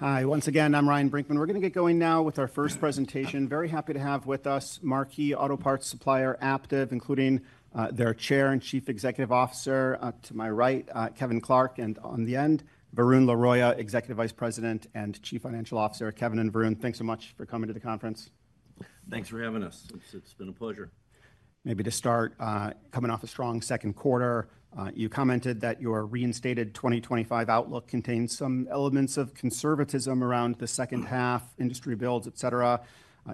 Hi, once again, I'm Ryan Brinkman. We're going to get going now with our first presentation. Very happy to have with us marquee auto parts supplier Aptiv, including their Chair and Chief Executive Officer. To my right, Kevin Clark, and on the end, Varun Laroyia, Executive Vice President and Chief Financial Officer. Kevin and Varun, thanks so much for coming to the conference. Thanks for having us. It's been a pleasure. Maybe to start, coming off a strong second quarter, you commented that your reinstated 2025 outlook contains some elements of conservatism around the second half, industry builds, etc.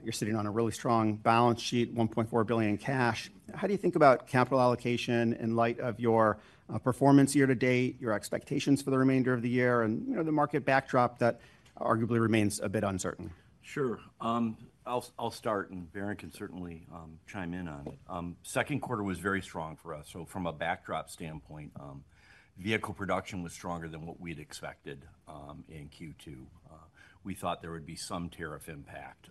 You're sitting on a really strong balance sheet, $1.4 billion cash. How do you think about capital allocation in light of your performance year to date, your expectations for the remainder of the year, and the market backdrop that arguably remains a bit uncertain? Sure. I'll start, and Varun can certainly chime in on it. The second quarter was very strong for us. From a backdrop standpoint, vehicle production was stronger than what we'd expected in Q2. We thought there would be some tariff impact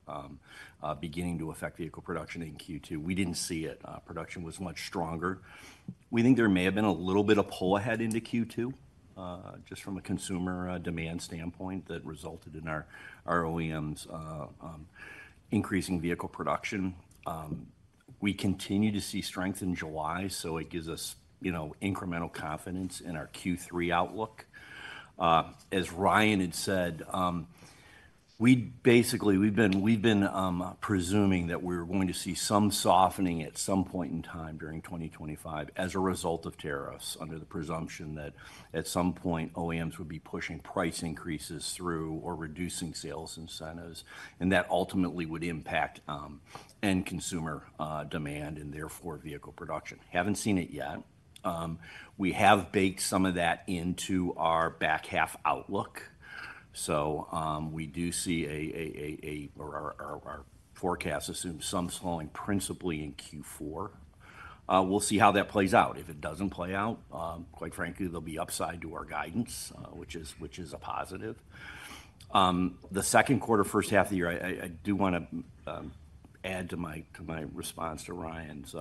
beginning to affect vehicle production in Q2. We didn't see it. Production was much stronger. We think there may have been a little bit of pull ahead into Q2, just from a consumer demand standpoint that resulted in our OEMs increasing vehicle production. We continue to see strength in July, so it gives us incremental confidence in our Q3 outlook. As Ryan had said, we'd basically, we've been presuming that we were going to see some softening at some point in time during 2025 as a result of tariffs, under the presumption that at some point OEMs would be pushing price increases through or reducing sales incentives, and that ultimately would impact end consumer demand and therefore vehicle production. We haven't seen it yet. We have baked some of that into our back half outlook. We do see a, or our forecast assumes some slowing principally in Q4. We'll see how that plays out. If it doesn't play out, quite frankly, there'll be upside to our guidance, which is a positive. The second quarter, first half of the year, I do want to add to my response to Ryan's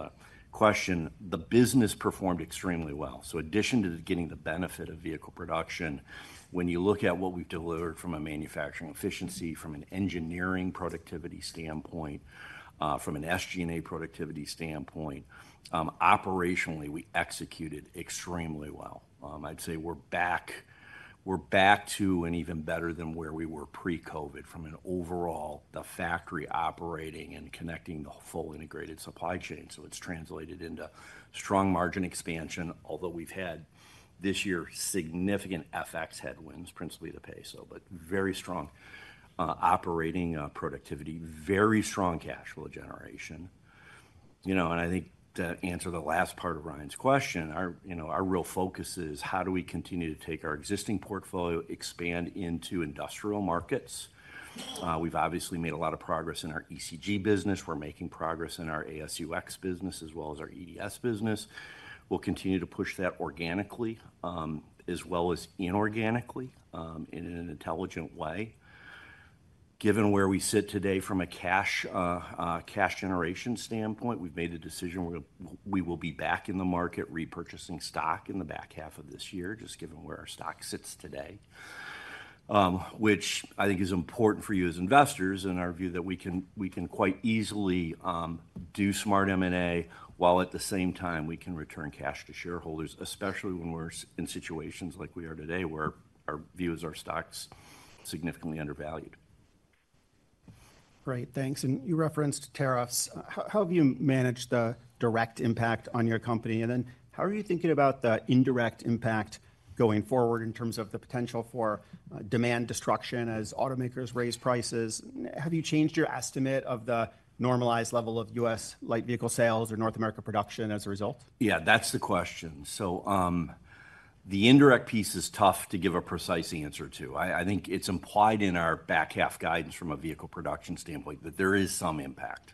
question. The business performed extremely well. In addition to getting the benefit of vehicle production, when you look at what we've delivered from a manufacturing efficiency, from an engineering productivity standpoint, from an SG&A productivity standpoint, operationally, we executed extremely well. I'd say we're back to and even better than where we were pre-COVID from an overall, the factory operating and connecting the full integrated supply chain. It's translated into strong margin expansion, although we've had this year significant FX headwinds, principally the peso, but very strong operating productivity, very strong cash flow generation. I think to answer the last part of Ryan's question, our real focus is how do we continue to take our existing portfolio, expand into industrial markets. We've obviously made a lot of progress in our Engineered Components Group business. We're making progress in our Advanced Safety and User Experience business as well as our Electrical Distribution Systems business. We'll continue to push that organically, as well as inorganically, in an intelligent way. Given where we sit today from a cash generation standpoint, we've made a decision we will be back in the market, repurchasing stock in the back half of this year, just given where our stock sits today, which I think is important for you as investors in our view that we can quite easily do smart M&A while at the same time we can return cash to shareholders, especially when we're in situations like we are today where our view is our stock's significantly undervalued. Great, thanks. You referenced tariffs. How have you managed the direct impact on your company? How are you thinking about the indirect impact going forward in terms of the potential for demand destruction as automakers raise prices? Have you changed your estimate of the normalized level of U.S. light vehicle sales or North America production as a result? Yeah, that's the question. The indirect piece is tough to give a precise answer to. I think it's implied in our back half guidance from a vehicle production standpoint that there is some impact.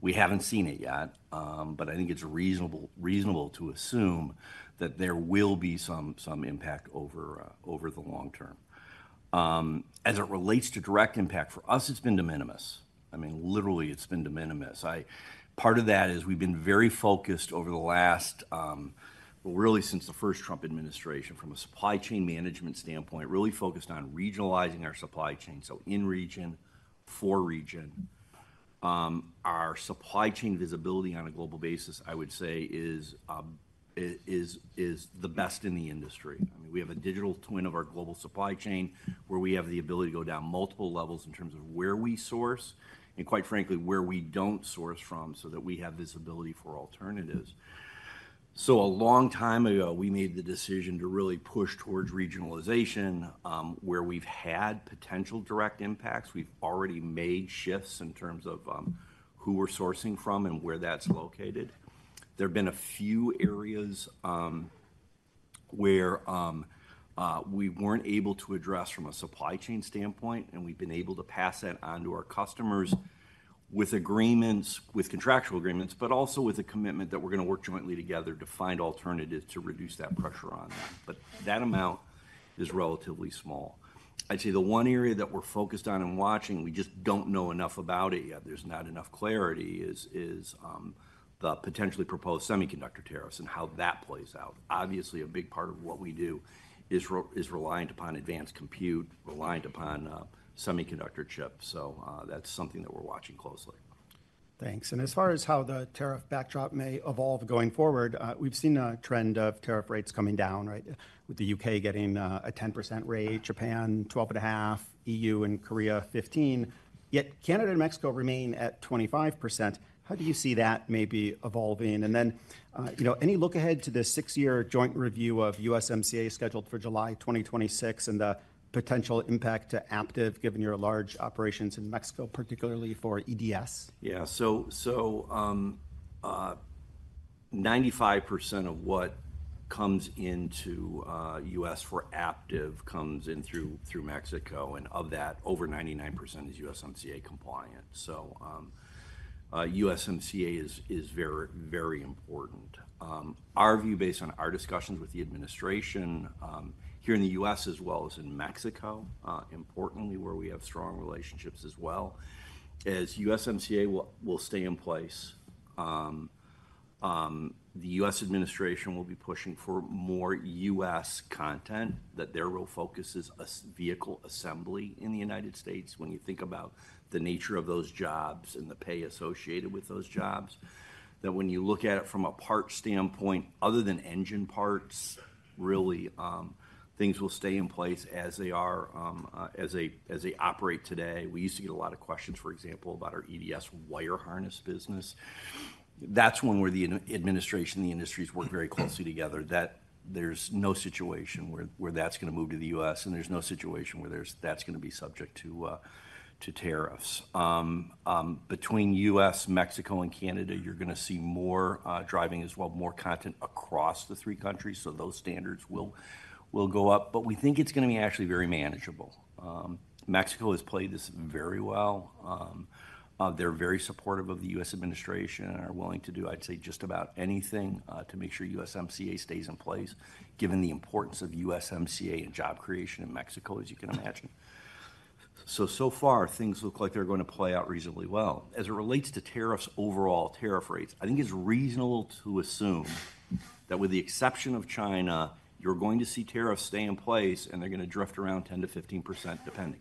We haven't seen it yet, but I think it's reasonable to assume that there will be some impact over the long term. As it relates to direct impact, for us, it's been de minimis. I mean, literally, it's been de minimis. Part of that is we've been very focused over the last, really since the first Trump administration, from a supply chain management standpoint, really focused on regionalizing our supply chain. In region, for region, our supply chain visibility on a global basis, I would say, is the best in the industry. We have a digital twin of our global supply chain where we have the ability to go down multiple levels in terms of where we source and, quite frankly, where we don't source from so that we have visibility for alternatives. A long time ago, we made the decision to really push towards regionalization where we've had potential direct impacts. We've already made shifts in terms of who we're sourcing from and where that's located. There have been a few areas where we weren't able to address from a supply chain standpoint, and we've been able to pass that on to our customers with agreements, with contractual agreements, but also with a commitment that we're going to work jointly together to find alternatives to reduce that pressure on them. That amount is relatively small. I'd say the one area that we're focused on and watching, we just don't know enough about it yet. There's not enough clarity, is the potentially proposed semiconductor tariffs and how that plays out. Obviously, a big part of what we do is reliant upon advanced compute, reliant upon semiconductor chips. That's something that we're watching closely. Thanks. As far as how the tariff backdrop may evolve going forward, we've seen a trend of tariff rates coming down, with the UK getting a 10% rate, Japan 12.5%, EU and Korea 15%. Yet Canada and Mexico remain at 25%. How do you see that maybe evolving? Any look ahead to the six-year joint review of USMCA scheduled for July 2026 and the potential impact to Aptiv given your large operations in Mexico, particularly for EDS? Yeah, 95% of what comes into the U.S. for Aptiv comes in through Mexico, and of that, over 99% is USMCA compliant. USMCA is very, very important. Our view, based on our discussions with the administration here in the U.S. as well as in Mexico, importantly where we have strong relationships as well, is USMCA will stay in place. The U.S. administration will be pushing for more U.S. content, that their real focus is vehicle assembly in the United States. When you think about the nature of those jobs and the pay associated with those jobs, when you look at it from a parts standpoint, other than engine parts, really, things will stay in place as they are, as they operate today. We used to get a lot of questions, for example, about our EDS wire harness business. That's one where the administration and the industries work very closely together, that there's no situation where that's going to move to the U.S., and there's no situation where that's going to be subject to tariffs. Between the U.S., Mexico, and Canada, you're going to see more driving as well, more content across the three countries. Those standards will go up, but we think it's going to be actually very manageable. Mexico has played this very well. They're very supportive of the U.S. administration and are willing to do, I'd say, just about anything to make sure USMCA stays in place, given the importance of USMCA and job creation in Mexico, as you can imagine. So far, things look like they're going to play out reasonably well. As it relates to tariffs overall, tariff rates, I think it's reasonable to assume that with the exception of China, you're going to see tariffs stay in place and they're going to drift around 10%-15% depending.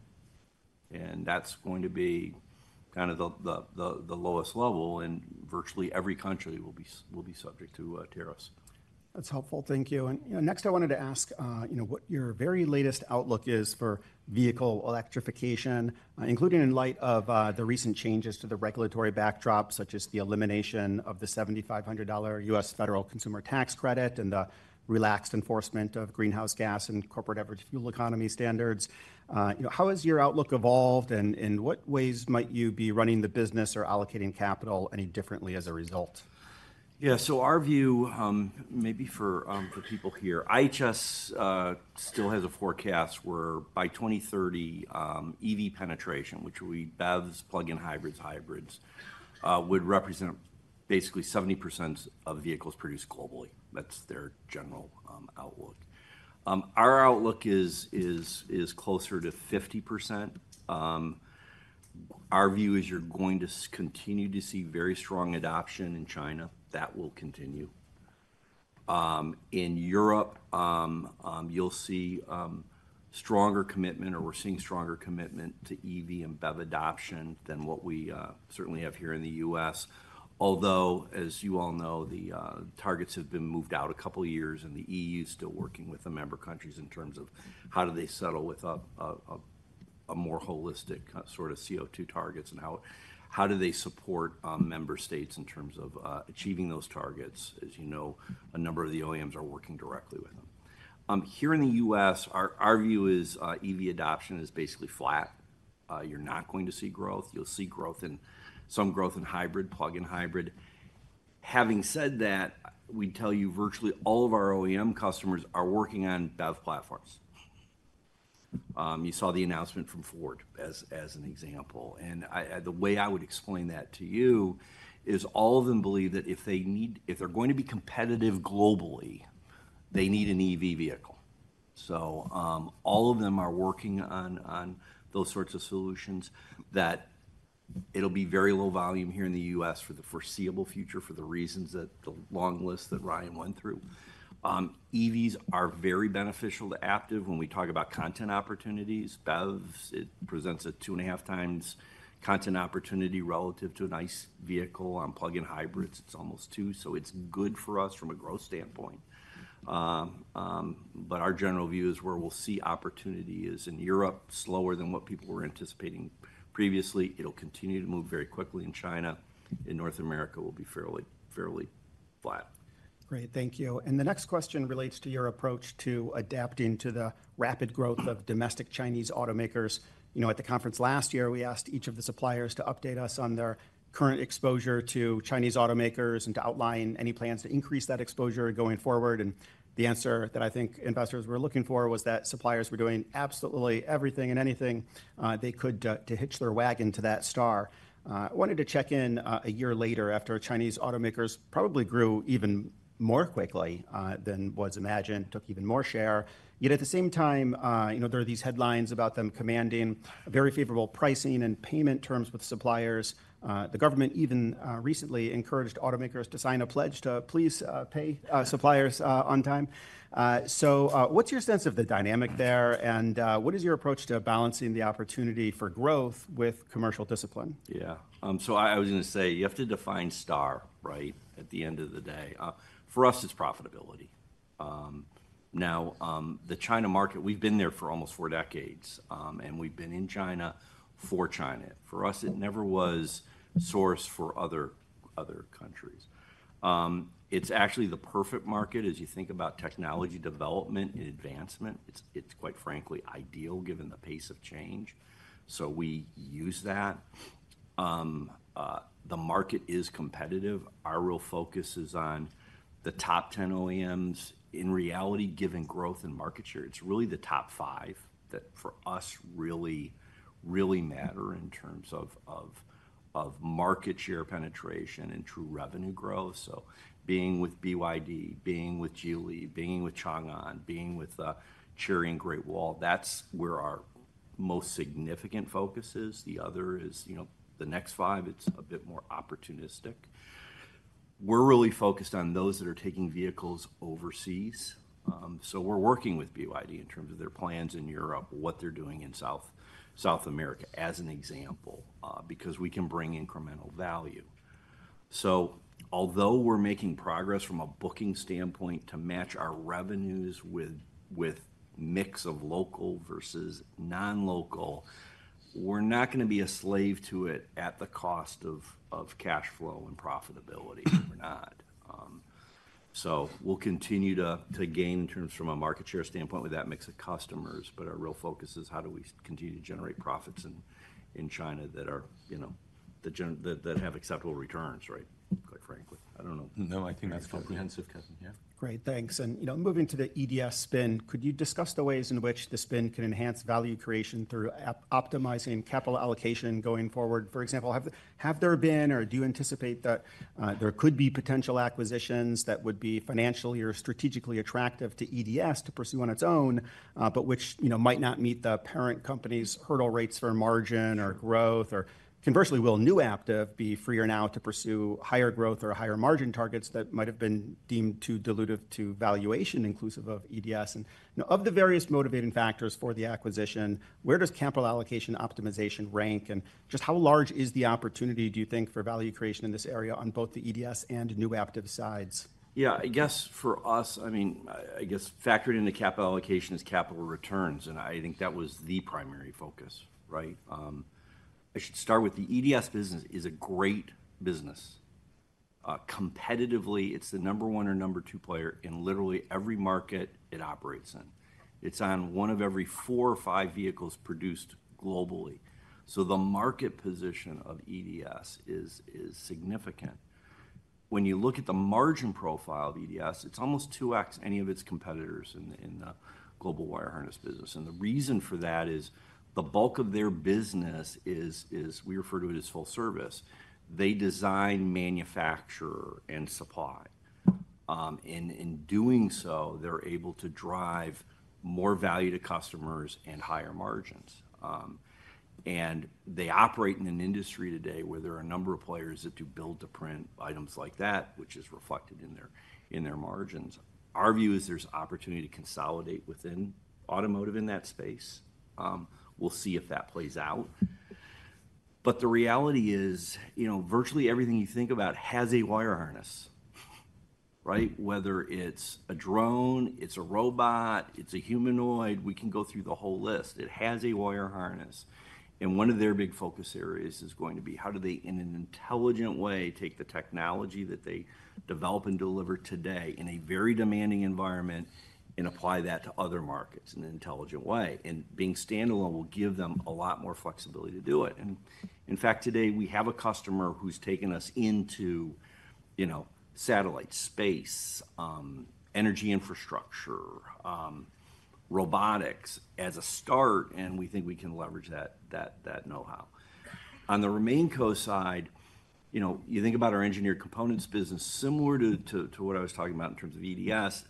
That's going to be kind of the lowest level and virtually every country will be subject to tariffs. That's helpful. Thank you. Next, I wanted to ask what your very latest outlook is for vehicle electrification, including in light of the recent changes to the regulatory backdrop, such as the elimination of the $7,500 U.S. federal consumer tax credit and the relaxed enforcement of greenhouse gas and corporate average fuel economy standards. How has your outlook evolved and in what ways might you be running the business or allocating capital any differently as a result? Yeah, so our view, maybe for people here, IHS still has a forecast where by 2030, EV penetration, which would be BEVs, plug-in hybrids, hybrids, would represent basically 70% of vehicles produced globally. That's their general outlook. Our outlook is closer to 50%. Our view is you're going to continue to see very strong adoption in China. That will continue. In Europe, you'll see stronger commitment or we're seeing stronger commitment to EV and BEV adoption than what we certainly have here in the U.S. Although, as you all know, the targets have been moved out a couple of years and the EU is still working with the member countries in terms of how do they settle with a more holistic sort of CO2 targets and how do they support member states in terms of achieving those targets. As you know, a number of the OEMs are working directly with them. Here in the U.S., our view is EV adoption is basically flat. You're not going to see growth. You'll see growth in some growth in hybrid, plug-in hybrid. Having said that, we'd tell you virtually all of our OEM customers are working on BEV platforms. You saw the announcement from Ford as an example. The way I would explain that to you is all of them believe that if they need, if they're going to be competitive globally, they need an EV vehicle. All of them are working on those sorts of solutions that it'll be very low volume here in the U.S. for the foreseeable future for the reasons that the long list that Ryan went through. EVs are very beneficial to Aptiv when we talk about content opportunities. BEVs, it presents a two and a half times content opportunity relative to a nice vehicle on plug-in hybrids. It's almost two. It's good for us from a growth standpoint. Our general view is where we'll see opportunity is in Europe, slower than what people were anticipating previously. It'll continue to move very quickly in China. In North America, it will be fairly flat. Great, thank you. The next question relates to your approach to adapting to the rapid growth of domestic Chinese automakers. At the conference last year, we asked each of the suppliers to update us on their current exposure to Chinese automakers and to outline any plans to increase that exposure going forward. The answer that I think investors were looking for was that suppliers were doing absolutely everything and anything they could to hitch their wagon to that star. I wanted to check in a year later after Chinese automakers probably grew even more quickly than was imagined, took even more share. At the same time, there are these headlines about them commanding very favorable pricing and payment terms with suppliers. The government even recently encouraged automakers to sign a pledge to please pay suppliers on time. What's your sense of the dynamic there and what is your approach to balancing the opportunity for growth with commercial discipline? Yeah, so I was going to say you have to define star, right? At the end of the day, for us, it's profitability. Now, the China market, we've been there for almost four decades and we've been in China for China. For us, it never was a source for other countries. It's actually the perfect market as you think about technology development and advancement. It's, quite frankly, ideal given the pace of change. We use that. The market is competitive. Our real focus is on the top 10 OEMs. In reality, given growth in market share, it's really the top five that for us really, really matter in terms of market share penetration and true revenue growth. Being with BYD, being with Geely, being with Chang’an, being with Chery and Great Wall, that's where our most significant focus is. The other is, you know, the next five, it's a bit more opportunistic. We're really focused on those that are taking vehicles overseas. We're working with BYD in terms of their plans in Europe, what they're doing in South America as an example, because we can bring incremental value. Although we're making progress from a booking standpoint to match our revenues with a mix of local versus non-local, we're not going to be a slave to it at the cost of cash flow and profitability. We're not. We'll continue to gain in terms from a market share standpoint with that mix of customers, but our real focus is how do we continue to generate profits in China that are, you know, that have acceptable returns, right? Quite frankly, I don't know. No, I think that's comprehensive, Kevin. Yeah. Great, thanks. Moving to the EDS spin, could you discuss the ways in which the spin can enhance value creation through optimizing capital allocation going forward? For example, have there been, or do you anticipate that there could be potential acquisitions that would be financially or strategically attractive to EDS to pursue on its own, but which might not meet the parent company's hurdle rates for margin or growth? Conversely, will new Aptiv be freer now to pursue higher growth or higher margin targets that might have been deemed too dilutive to valuation inclusive of EDS? Of the various motivating factors for the acquisition, where does capital allocation optimization rank? Just how large is the opportunity, do you think, for value creation in this area on both the EDS and new Aptiv sides? I guess for us, factored into capital allocation is capital returns, and I think that was the primary focus, right? I should start with the EDS business is a great business. Competitively, it's the number one or number two player in literally every market it operates in. It's on one of every four or five vehicles produced globally. The market position of EDS is significant. When you look at the margin profile of EDS, it's almost 2X any of its competitors in the global wire harness business. The reason for that is the bulk of their business is, we refer to it as full service. They design, manufacture, and supply. In doing so, they're able to drive more value to customers and higher margins. They operate in an industry today where there are a number of players that do build to print items like that, which is reflected in their margins. Our view is there's opportunity to consolidate within automotive in that space. We'll see if that plays out. The reality is, virtually everything you think about has a wire harness, right? Whether it's a drone, it's a robot, it's a humanoid, we can go through the whole list. It has a wire harness. One of their big focus areas is going to be how do they, in an intelligent way, take the technology that they develop and deliver today in a very demanding environment and apply that to other markets in an intelligent way. Being standalone will give them a lot more flexibility to do it. In fact, today we have a customer who's taken us into satellite space, energy infrastructure, robotics as a start, and we think we can leverage that know-how. On the RemainCo side, you think about our Engineered Components Group, similar to what I was talking about in terms of EDS,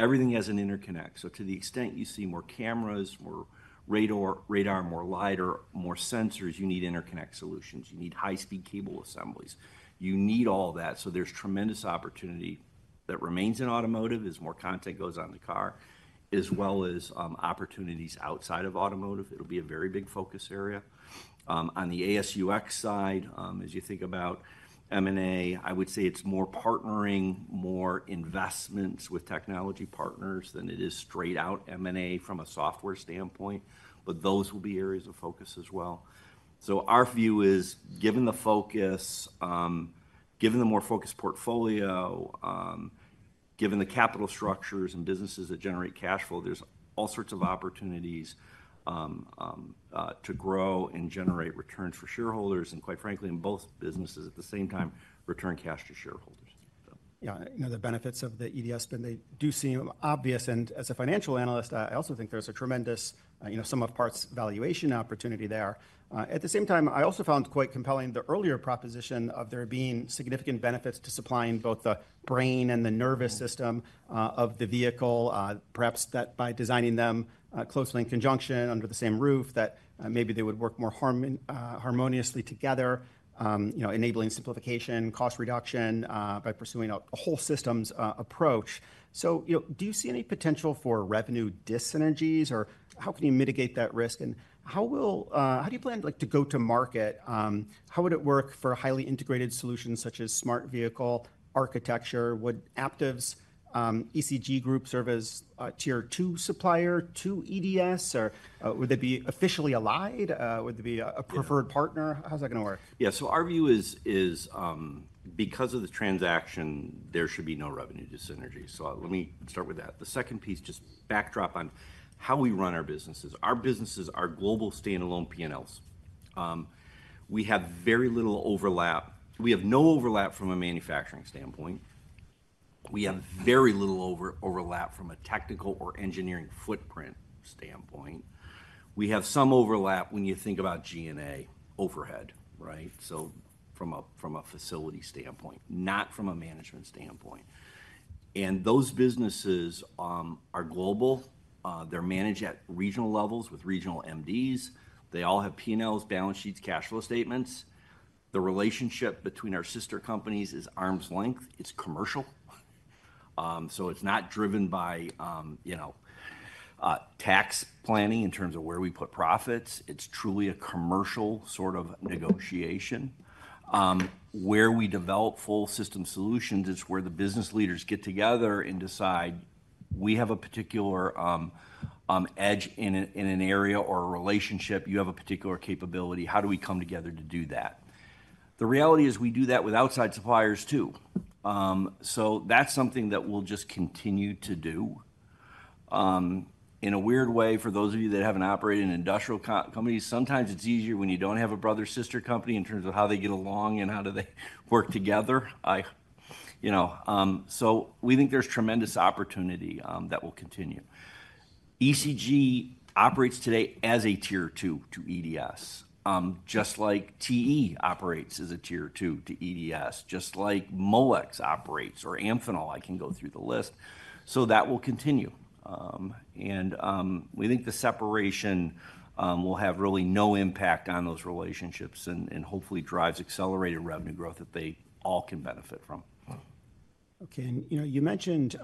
everything has an interconnect. To the extent you see more cameras, more radar, more lidar, more sensors, you need interconnect solutions. You need high-speed cable assemblies. You need all that. There's tremendous opportunity that remains in automotive as more content goes on the car, as well as opportunities outside of automotive. It'll be a very big focus area. On the Advanced Safety and User Experience side, as you think about M&A, I would say it's more partnering, more investments with technology partners than it is straight out M&A from a software standpoint. Those will be areas of focus as well. Our view is given the focus, given the more focused portfolio, given the capital structures and businesses that generate cash flow, there's all sorts of opportunities to grow and generate returns for shareholders. Quite frankly, in both businesses at the same time, return cash to shareholders. Yeah, you know, the benefits of the EDS spin, they do seem obvious. As a financial analyst, I also think there's a tremendous, you know, sum of parts valuation opportunity there. At the same time, I also found quite compelling the earlier proposition of there being significant benefits to supplying both the brain and the nervous system of the vehicle, perhaps that by designing them closely in conjunction under the same roof, that maybe they would work more harmoniously together, enabling simplification, cost reduction by pursuing a whole systems approach. Do you see any potential for revenue disynergies or how can you mitigate that risk? How do you plan to go to market? How would it work for highly integrated solutions such as smart vehicle architecture? Would Aptiv's Engineered Components Group serve as a tier two supplier to EDS or would they be officially allied? Would they be a preferred partner? How's that going to work? Yeah, so our view is because of the transaction, there should be no revenue disynergy. Let me start with that. The second piece, just backdrop on how we run our businesses. Our businesses are global standalone P&Ls. We have very little overlap. We have no overlap from a manufacturing standpoint. We have very little overlap from a technical or engineering footprint standpoint. We have some overlap when you think about G&A overhead, right? From a facility standpoint, not from a management standpoint. Those businesses are global. They're managed at regional levels with regional MDs. They all have P&Ls, balance sheets, cash flow statements. The relationship between our sister companies is arm's length. It's commercial. It's not driven by, you know, tax planning in terms of where we put profits. It's truly a commercial sort of negotiation. Where we develop full system solutions is where the business leaders get together and decide we have a particular edge in an area or a relationship. You have a particular capability. How do we come together to do that? The reality is we do that with outside suppliers too. That's something that we'll just continue to do. In a weird way, for those of you that haven't operated in industrial companies, sometimes it's easier when you don't have a brother-sister company in terms of how they get along and how do they work together. We think there's tremendous opportunity that will continue. Engineered Components Group operates today as a tier two to Electrical Distribution Systems. Just like TE operates as a tier two to Electrical Distribution Systems. Just like Molex operates or Amphenol. I can go through the list. That will continue. We think the separation will have really no impact on those relationships and hopefully drives accelerated revenue growth that they all can benefit from. Okay. You mentioned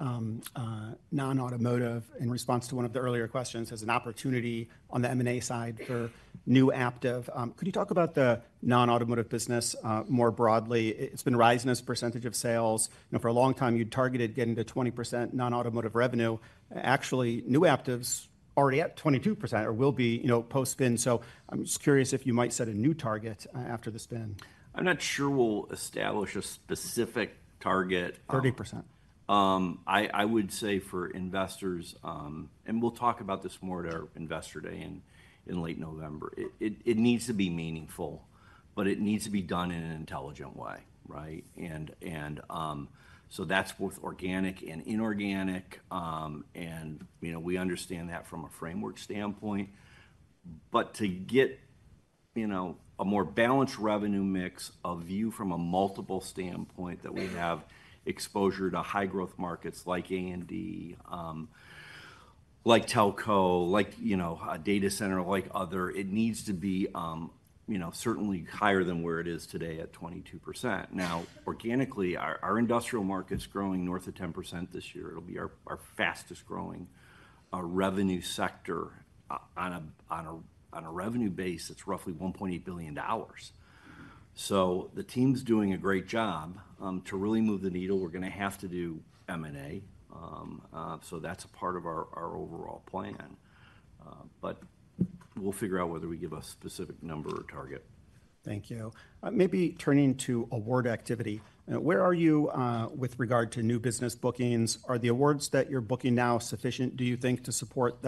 non-automotive in response to one of the earlier questions as an opportunity on the M&A side for new Aptiv. Could you talk about the non-automotive business more broadly? It's been rising as a percentage of sales. For a long time, you targeted getting to 20% non-automotive revenue. Actually, new Aptiv's already at 22% or will be post-spin. I'm just curious if you might set a new target after the spin. I'm not sure we'll establish a specific target. 30%. I would say for investors, and we'll talk about this more at our investor day in late November, it needs to be meaningful, but it needs to be done in an intelligent way, right? That's both organic and inorganic. We understand that from a framework standpoint. To get a more balanced revenue mix, a view from a multiple standpoint that we have exposure to high growth markets like A&D, like telco, like a data center, like other, it needs to be certainly higher than where it is today at 22%. Organically, our industrial market's growing north of 10% this year. It'll be our fastest growing revenue sector on a revenue base that's roughly $1.8 billion. The team's doing a great job to really move the needle. We're going to have to do M&A. That's a part of our overall plan. We'll figure out whether we give a specific number or target. Thank you. Maybe turning to award activity. Where are you with regard to new business bookings? Are the awards that you're booking now sufficient, do you think, to support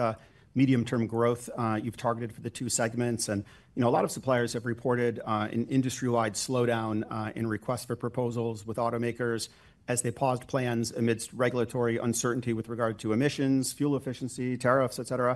the medium-term growth you've targeted for the two segments? A lot of suppliers have reported an industry-wide slowdown in requests for proposals with automakers as they paused plans amidst regulatory uncertainty with regard to emissions, fuel efficiency, tariffs, etc.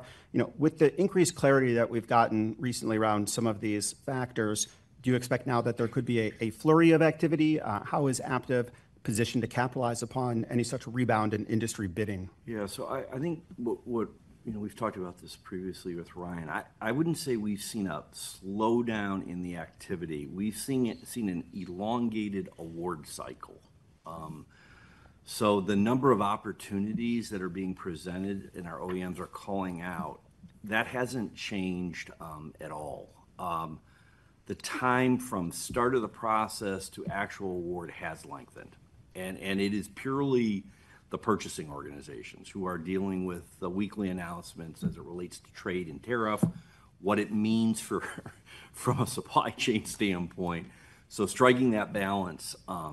With the increased clarity that we've gotten recently around some of these factors, do you expect now that there could be a flurry of activity? How is Aptiv positioned to capitalize upon any such rebound in industry bidding? Yeah, so I think what, you know, we've talked about this previously with Ryan, I wouldn't say we've seen a slowdown in the activity. We've seen an elongated award cycle. The number of opportunities that are being presented and our OEMs are calling out, that hasn't changed at all. The time from start of the process to actual award has lengthened. It is purely the purchasing organizations who are dealing with the weekly announcements as it relates to trade and tariff, what it means from a supply chain standpoint. Striking that balance, you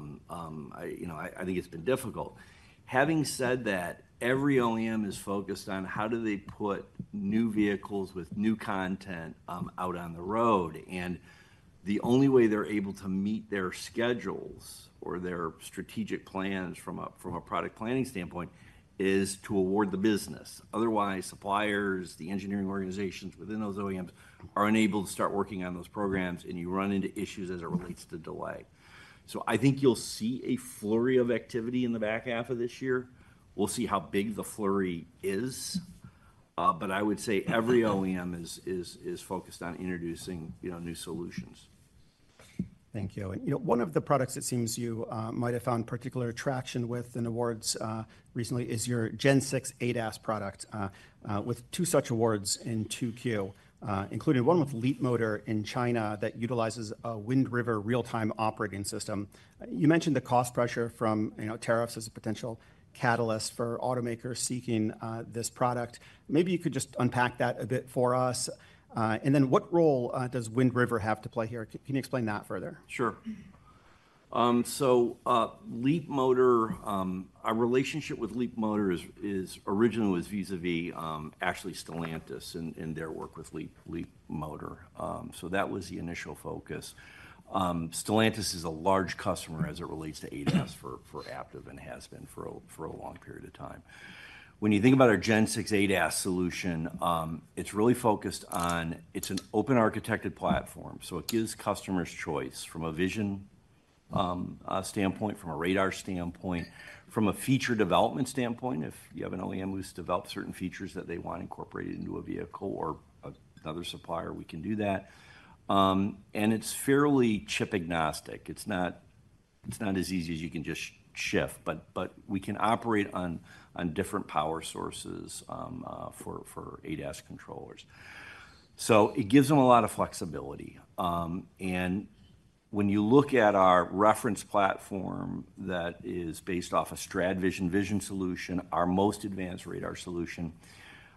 know, I think it's been difficult. Having said that, every OEM is focused on how do they put new vehicles with new content out on the road. The only way they're able to meet their schedules or their strategic plans from a product planning standpoint is to award the business. Otherwise, suppliers, the engineering organizations within those OEMs are unable to start working on those programs, and you run into issues as it relates to delay. I think you'll see a flurry of activity in the back half of this year. We'll see how big the flurry is. I would say every OEM is focused on introducing new solutions. Thank you. You know, one of the products it seems you might have found particular traction with in awards recently is your Gen 6 ADAS product, with two such awards in 2Q, including one with Leapmotor in China that utilizes a Wind River real-time operating system. You mentioned the cost pressure from tariffs as a potential catalyst for automakers seeking this product. Maybe you could just unpack that a bit for us. What role does Wind River have to play here? Can you explain that further? Sure. Leapmotor, our relationship with Leapmotor originally was vis-à-vis actually Stellantis and their work with Leapmotor. That was the initial focus. Stellantis is a large customer as it relates to ADAS for Aptiv and has been for a long period of time. When you think about a Gen 6 ADAS solution, it's really focused on, it's an open architected platform. It gives customers choice from a vision standpoint, from a radar standpoint, from a feature development standpoint. If you have an OEM who's developed certain features that they want incorporated into a vehicle or another supplier, we can do that. It's fairly chip agnostic. It's not as easy as you can just shift, but we can operate on different power sources for ADAS controllers. It gives them a lot of flexibility. When you look at our reference platform that is based off a StradVision vision solution, our most advanced radar solution,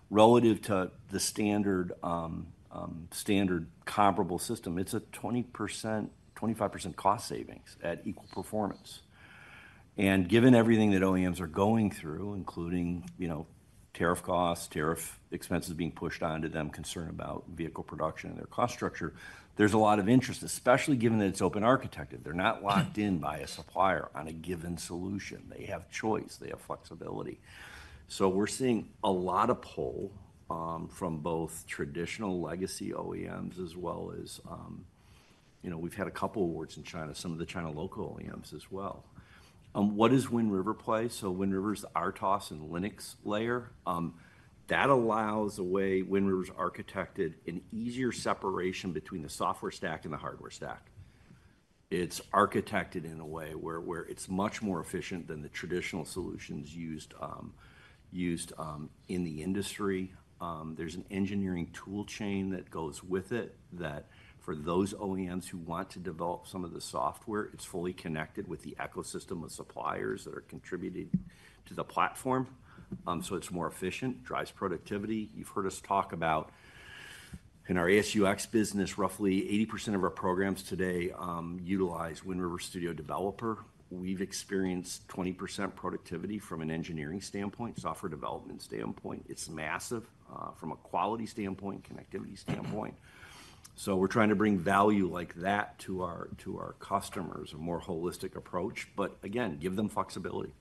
relative to the standard comparable system, it's a 20%, 25% cost savings at equal performance. Given everything that OEMs are going through, including tariff costs, tariff expenses being pushed onto them, concern about vehicle production and their cost structure, there's a lot of interest, especially given that it's open architected. They're not locked in by a supplier on a given solution. They have choice. They have flexibility. We're seeing a lot of pull from both traditional legacy OEMs as well as, we've had a couple of awards in China, some of the China local OEMs as well. What does Wind River play? Wind River's RTOS and Linux layer, that allows a way Wind River's architected an easier separation between the software stack and the hardware stack. It's architected in a way where it's much more efficient than the traditional solutions used in the industry. There's an engineering tool chain that goes with it that for those OEMs who want to develop some of the software, it's fully connected with the ecosystem of suppliers that are contributing to the platform. It's more efficient, drives productivity. You've heard us talk about in our ASUX business, roughly 80% of our programs today utilize Wind River Studio Developer. We've experienced 20% productivity from an engineering standpoint, software development standpoint. It's massive from a quality standpoint, connectivity standpoint. We're trying to bring value like that to our customers, a more holistic approach, but again, give them flexibility.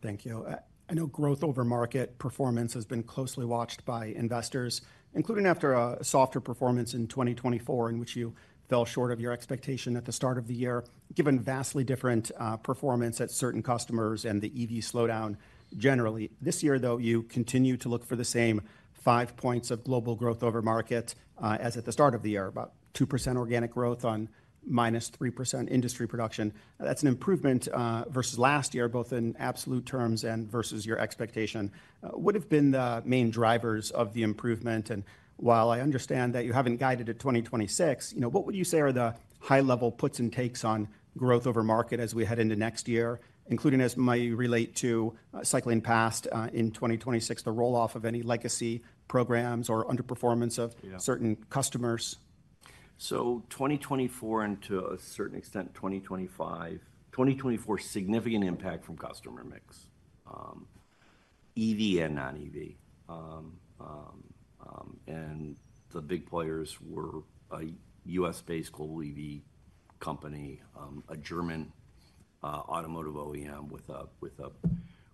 Thank you. I know growth over market performance has been closely watched by investors, including after a softer performance in 2024, in which you fell short of your expectation at the start of the year, given vastly different performance at certain customers and the EV slowdown generally. This year, though, you continue to look for the same five points of global growth over market as at the start of the year, about 2% organic growth on minus 3% industry production. That's an improvement versus last year, both in absolute terms and versus your expectation. What have been the main drivers of the improvement? While I understand that you haven't guided it 2026, what would you say are the high-level puts and takes on growth over market as we head into next year, including as it might relate to cycling past in 2026, the rolloff of any legacy programs or underperformance of certain customers? 2024 and to a certain extent 2025, 2024's significant impact from customer mix, EV and non-EV. The big players were a U.S.-based global EV company, a German automotive OEM with a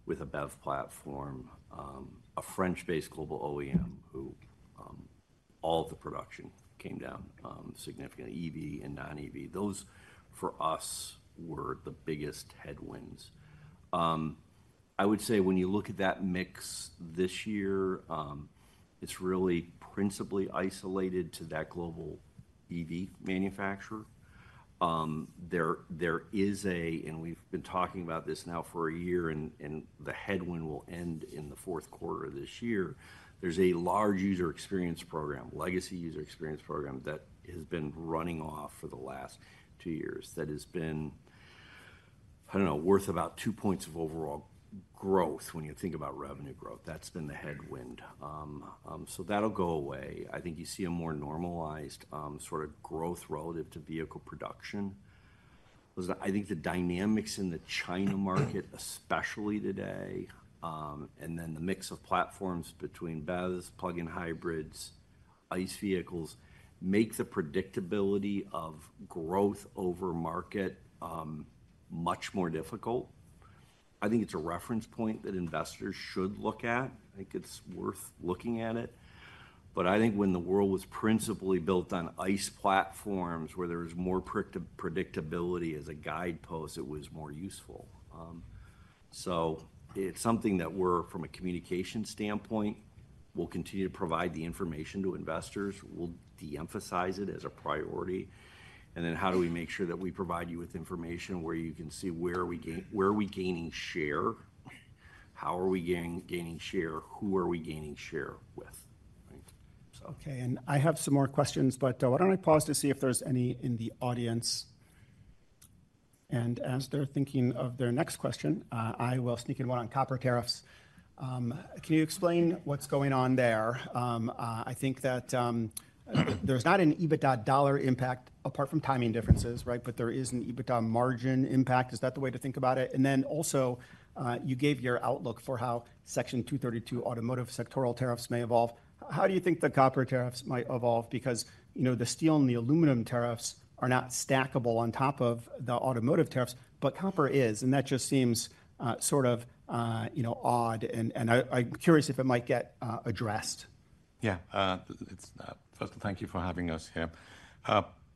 BEV platform, a French-based global OEM who all of the production came down significantly, EV and non-EV. Those, for us, were the biggest headwinds. I would say when you look at that mix this year, it's really principally isolated to that global EV manufacturer. We have been talking about this now for a year, and the headwind will end in the fourth quarter of this year. There's a large User Experience program, legacy User Experience program that has been running off for the last two years that has been, I don't know, worth about two points of overall growth when you think about revenue growth. That's been the headwind. That'll go away. I think you see a more normalized sort of growth relative to vehicle production. I think the dynamics in the China market, especially today, and then the mix of platforms between BEVs, plug-in hybrids, ICE vehicles make the predictability of growth over market much more difficult. I think it's a reference point that investors should look at. I think it's worth looking at it. When the world was principally built on ICE platforms where there was more predictability as a guidepost, it was more useful. It's something that we're, from a communication standpoint, going to continue to provide the information to investors. We'll de-emphasize it as a priority. How do we make sure that we provide you with information where you can see where are we gaining share, how are we gaining share, who are we gaining share with? Okay, I have some more questions, but why don't I pause to see if there's any in the audience? As they're thinking of their next question, I will sneak in one on copper tariffs. Can you explain what's going on there? I think that there's not an EBITDA dollar impact apart from timing differences, right? There is an EBITDA margin impact. Is that the way to think about it? You gave your outlook for how Section 232 automotive sectoral tariffs may evolve. How do you think the copper tariffs might evolve? The steel and the aluminum tariffs are not stackable on top of the automotive tariffs, but copper is, and that just seems sort of, you know, odd. I'm curious if it might get addressed. Yeah, first, thank you for having us here.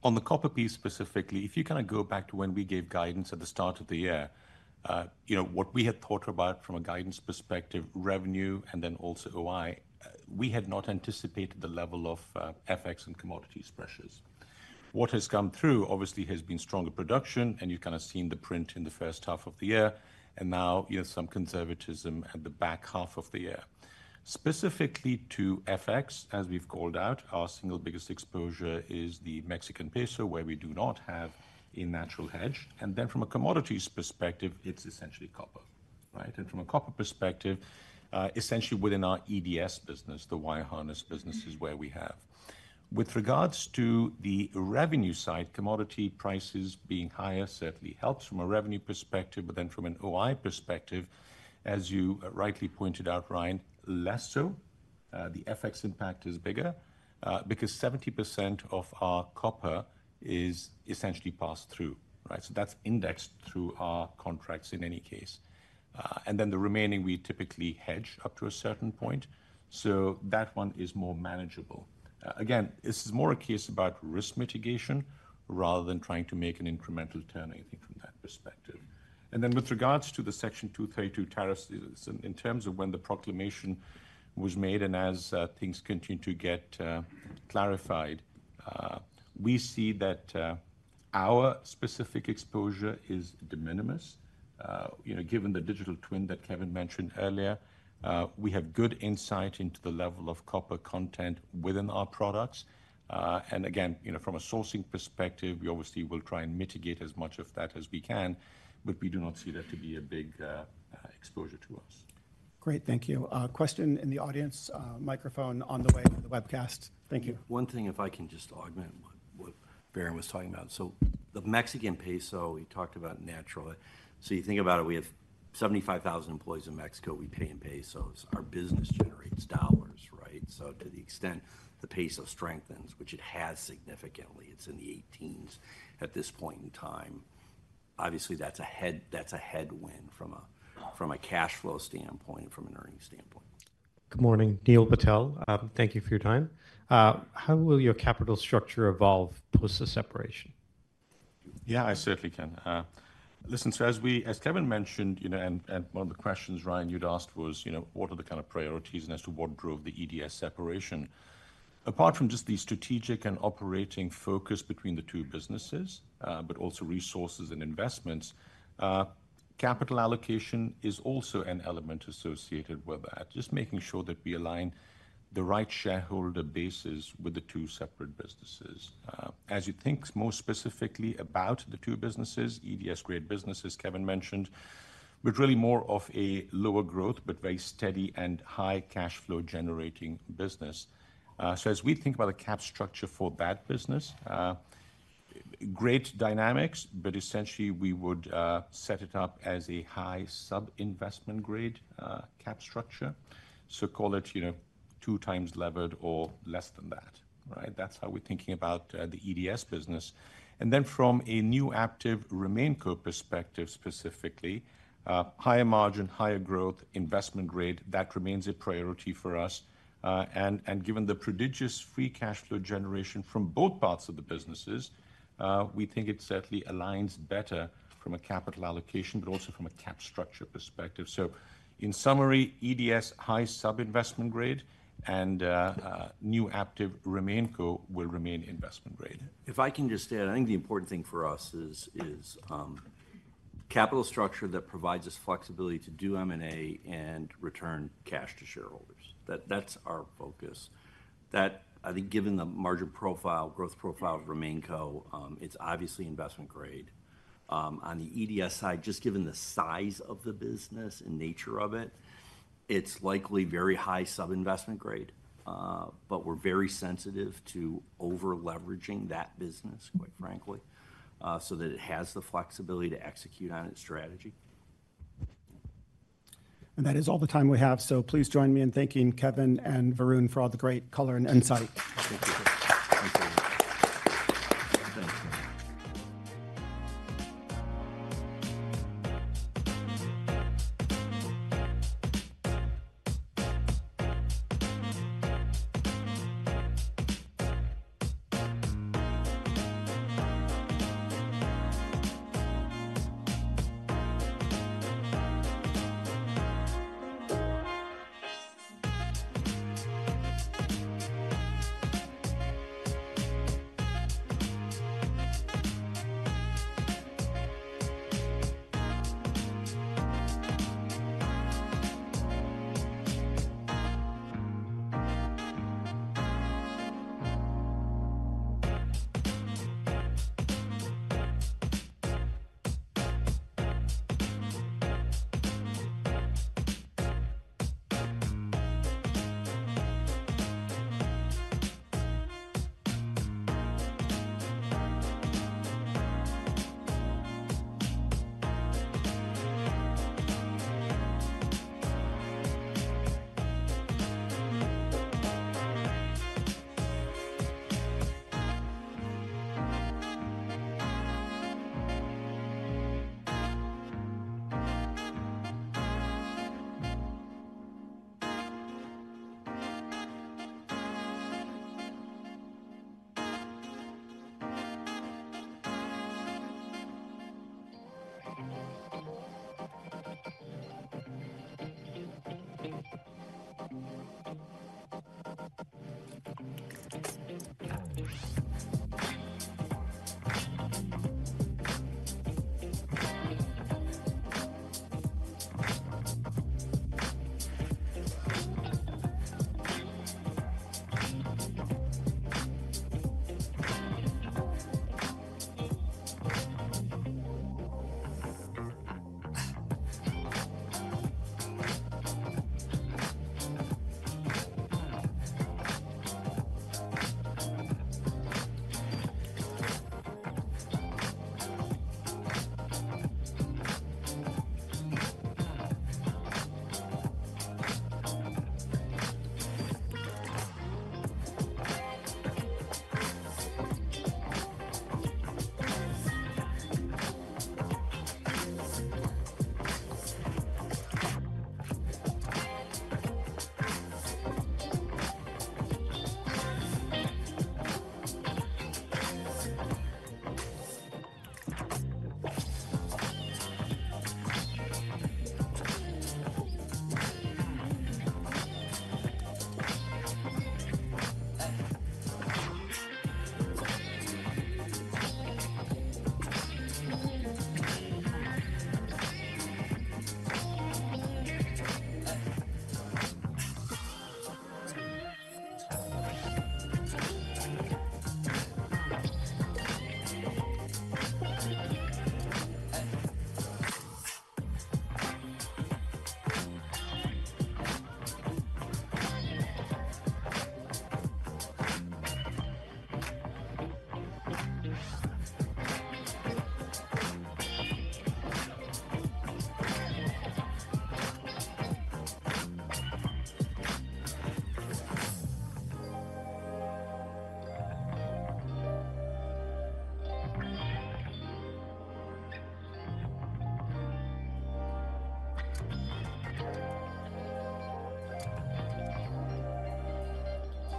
On the copper piece specifically, if you kind of go back to when we gave guidance at the start of the year, what we had thought about from a guidance perspective, revenue, and then also OI, we had not anticipated the level of FX and commodities pressures. What has come through, obviously, has been stronger production, and you've kind of seen the print in the first half of the year. Now you have some conservatism at the back half of the year. Specifically to FX, as we've called out, our single biggest exposure is the Mexican peso, where we do not have a natural hedge. From a commodities perspective, it's essentially copper. Right? From a copper perspective, essentially within our EDS business, the wire harness business is where we have. With regards to the revenue side, commodity prices being higher certainly helps from a revenue perspective, but then from an OI perspective, as you rightly pointed out, Ryan, less so. The FX impact is bigger because 70% of our copper is essentially passed through. Right? That's indexed through our contracts in any case. The remaining we typically hedge up to a certain point. That one is more manageable. Again, this is more a case about risk mitigation rather than trying to make an incremental turn, I think, from that perspective. With regards to the Section 232 tariffs, in terms of when the proclamation was made and as things continue to get clarified, we see that our specific exposure is de minimis. Given the digital twin that Kevin mentioned earlier, we have good insight into the level of copper content within our products. Again, from a sourcing perspective, we obviously will try and mitigate as much of that as we can, but we do not see that to be a big exposure to us. Great, thank you. Question in the audience, microphone on the way to the webcast. Thank you. One thing, if I can just augment what Varun was talking about. The Mexican peso, we talked about naturally. You think about it, we have 75,000 employees in Mexico. We pay in pesos. Our business generates dollars, right? To the extent the peso strengthens, which it has significantly, it's in the 18s at this point in time. Obviously, that's a headwind from a cash flow standpoint, from an earning standpoint. Good morning, Neil Patel. Thank you for your time. How will your capital structure evolve post the separation? Yeah, I certainly can. Listen, as Kevin mentioned, and one of the questions Ryan you'd asked was, what are the kind of priorities and as to what drove the EDS separation? Apart from just the strategic and operating focus between the two businesses, resources and investments, capital allocation is also an element associated with that. Just making sure that we align the right shareholder bases with the two separate businesses. As you think more specifically about the two businesses, EDS-grade businesses Kevin mentioned, which are really more of a lower growth but very steady and high cash flow generating business. As we think about the cap structure for that business, great dynamics, but essentially we would set it up as a high sub-investment grade cap structure. Call it, you know, two times levered or less than that. Right? That's how we're thinking about the EDS business. From a new Aptiv RemainCo perspective specifically, higher margin, higher growth, investment grade, that remains a priority for us. Given the prodigious free cash flow generation from both parts of the businesses, we think it certainly aligns better from a capital allocation but also from a cap structure perspective. In summary, EDS high sub-investment grade and new Aptiv RemainCo will remain investment grade. If I can just say, I think the important thing for us is capital structure that provides us flexibility to do M&A and return cash to shareholders. That's our focus. I think given the margin profile, growth profile of RemainCo, it's obviously investment grade. On the EDS side, just given the size of the business and nature of it, it's likely very high sub-investment grade. We're very sensitive to over-leveraging that business, quite frankly, so that it has the flexibility to execute on its strategy. That is all the time we have. Please join me in thanking Kevin and Varun for all the great color and insight.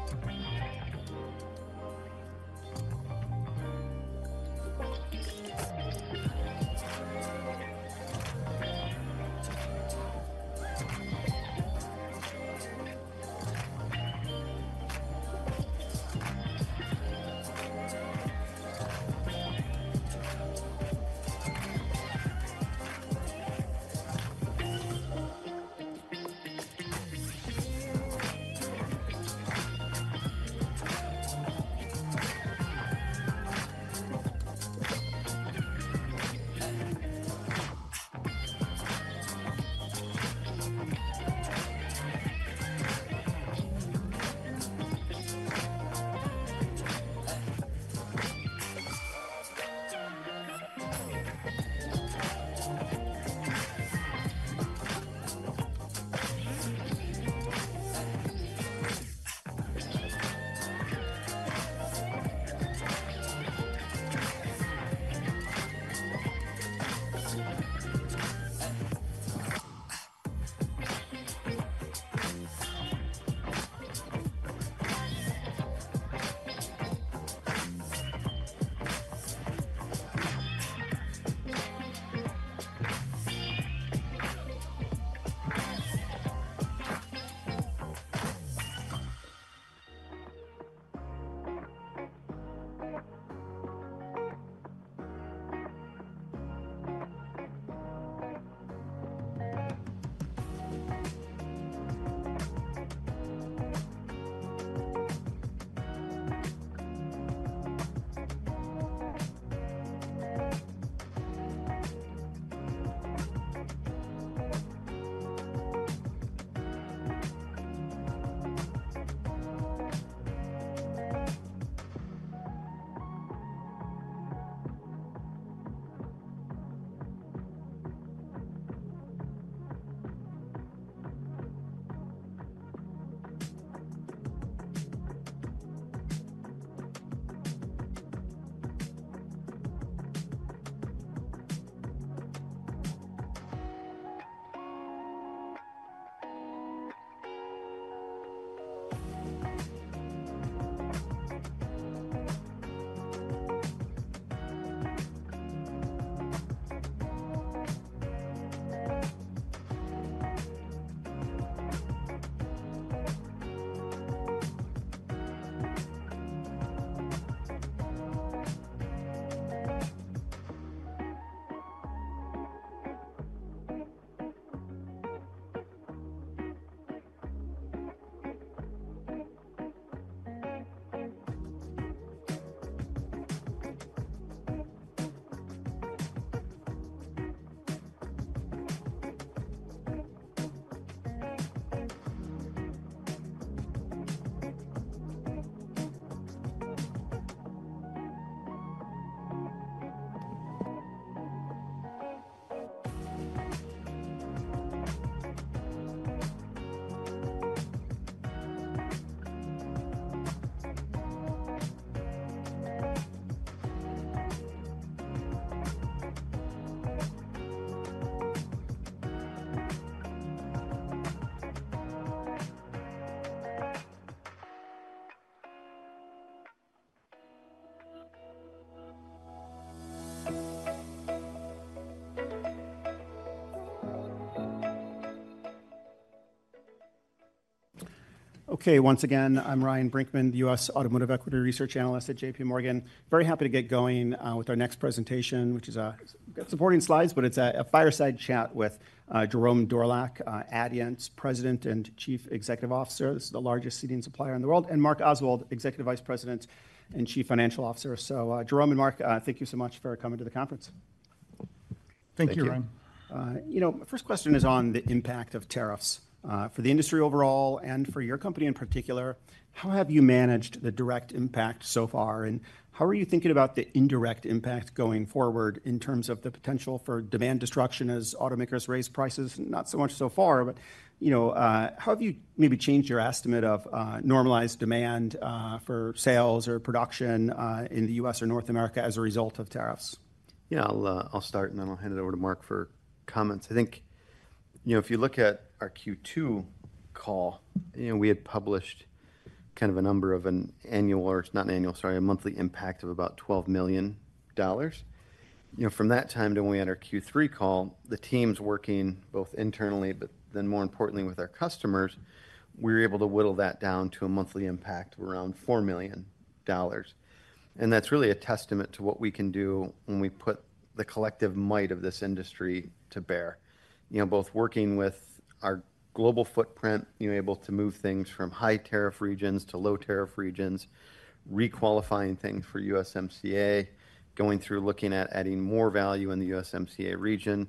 Thank you. Okay, once again, I'm Ryan Brinkman, US Automotive Equity Research Analyst at JPMorgan. Very happy to get going with our next presentation, which has supporting slides, but it's a fireside chat with Jerome Dorlach, Adient President and Chief Executive Officer. This is the largest seating supplier in the world, and Mark Oswald, Executive Vice President and Chief Financial Officer. Jerome and Mark, thank you so much for coming to the conference. Thank you, Ryan. You know, my first question is on the impact of tariffs. For the industry overall and for your company in particular, how have you managed the direct impact so far? How are you thinking about the indirect impact going forward in terms of the potential for demand destruction as automakers raise prices? Not so much so far, but you know, how have you maybe changed your estimate of normalized demand for sales or production in the U.S. or North America as a result of tariffs? Yeah, I'll start and then I'll hand it over to Mark for comments. I think, you know, if you look at our Q2 call, we had published kind of a number of an annual, or not an annual, sorry, a monthly impact of about $12 million. From that time to when we had our Q3 call, the teams working both internally, but then more importantly with our customers, we were able to whittle that down to a monthly impact of around $4 million. That's really a testament to what we can do when we put the collective might of this industry to bear, both working with our global footprint, able to move things from high tariff regions to low tariff regions, requalifying things for USMCA, going through looking at adding more value in the USMCA region,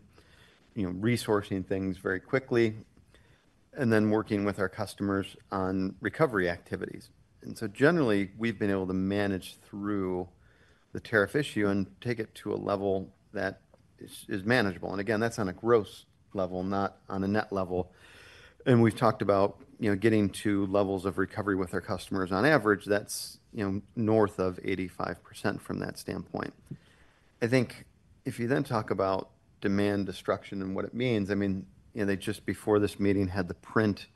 resourcing things very quickly, and then working with our customers on recovery activities. Generally, we've been able to manage through the tariff issue and take it to a level that is manageable. Again, that's on a gross level, not on a net level. We've talked about getting to levels of recovery with our customers on average, that's north of 85% from that standpoint. I think if you then talk about demand destruction and what it means, they just before this meeting had the print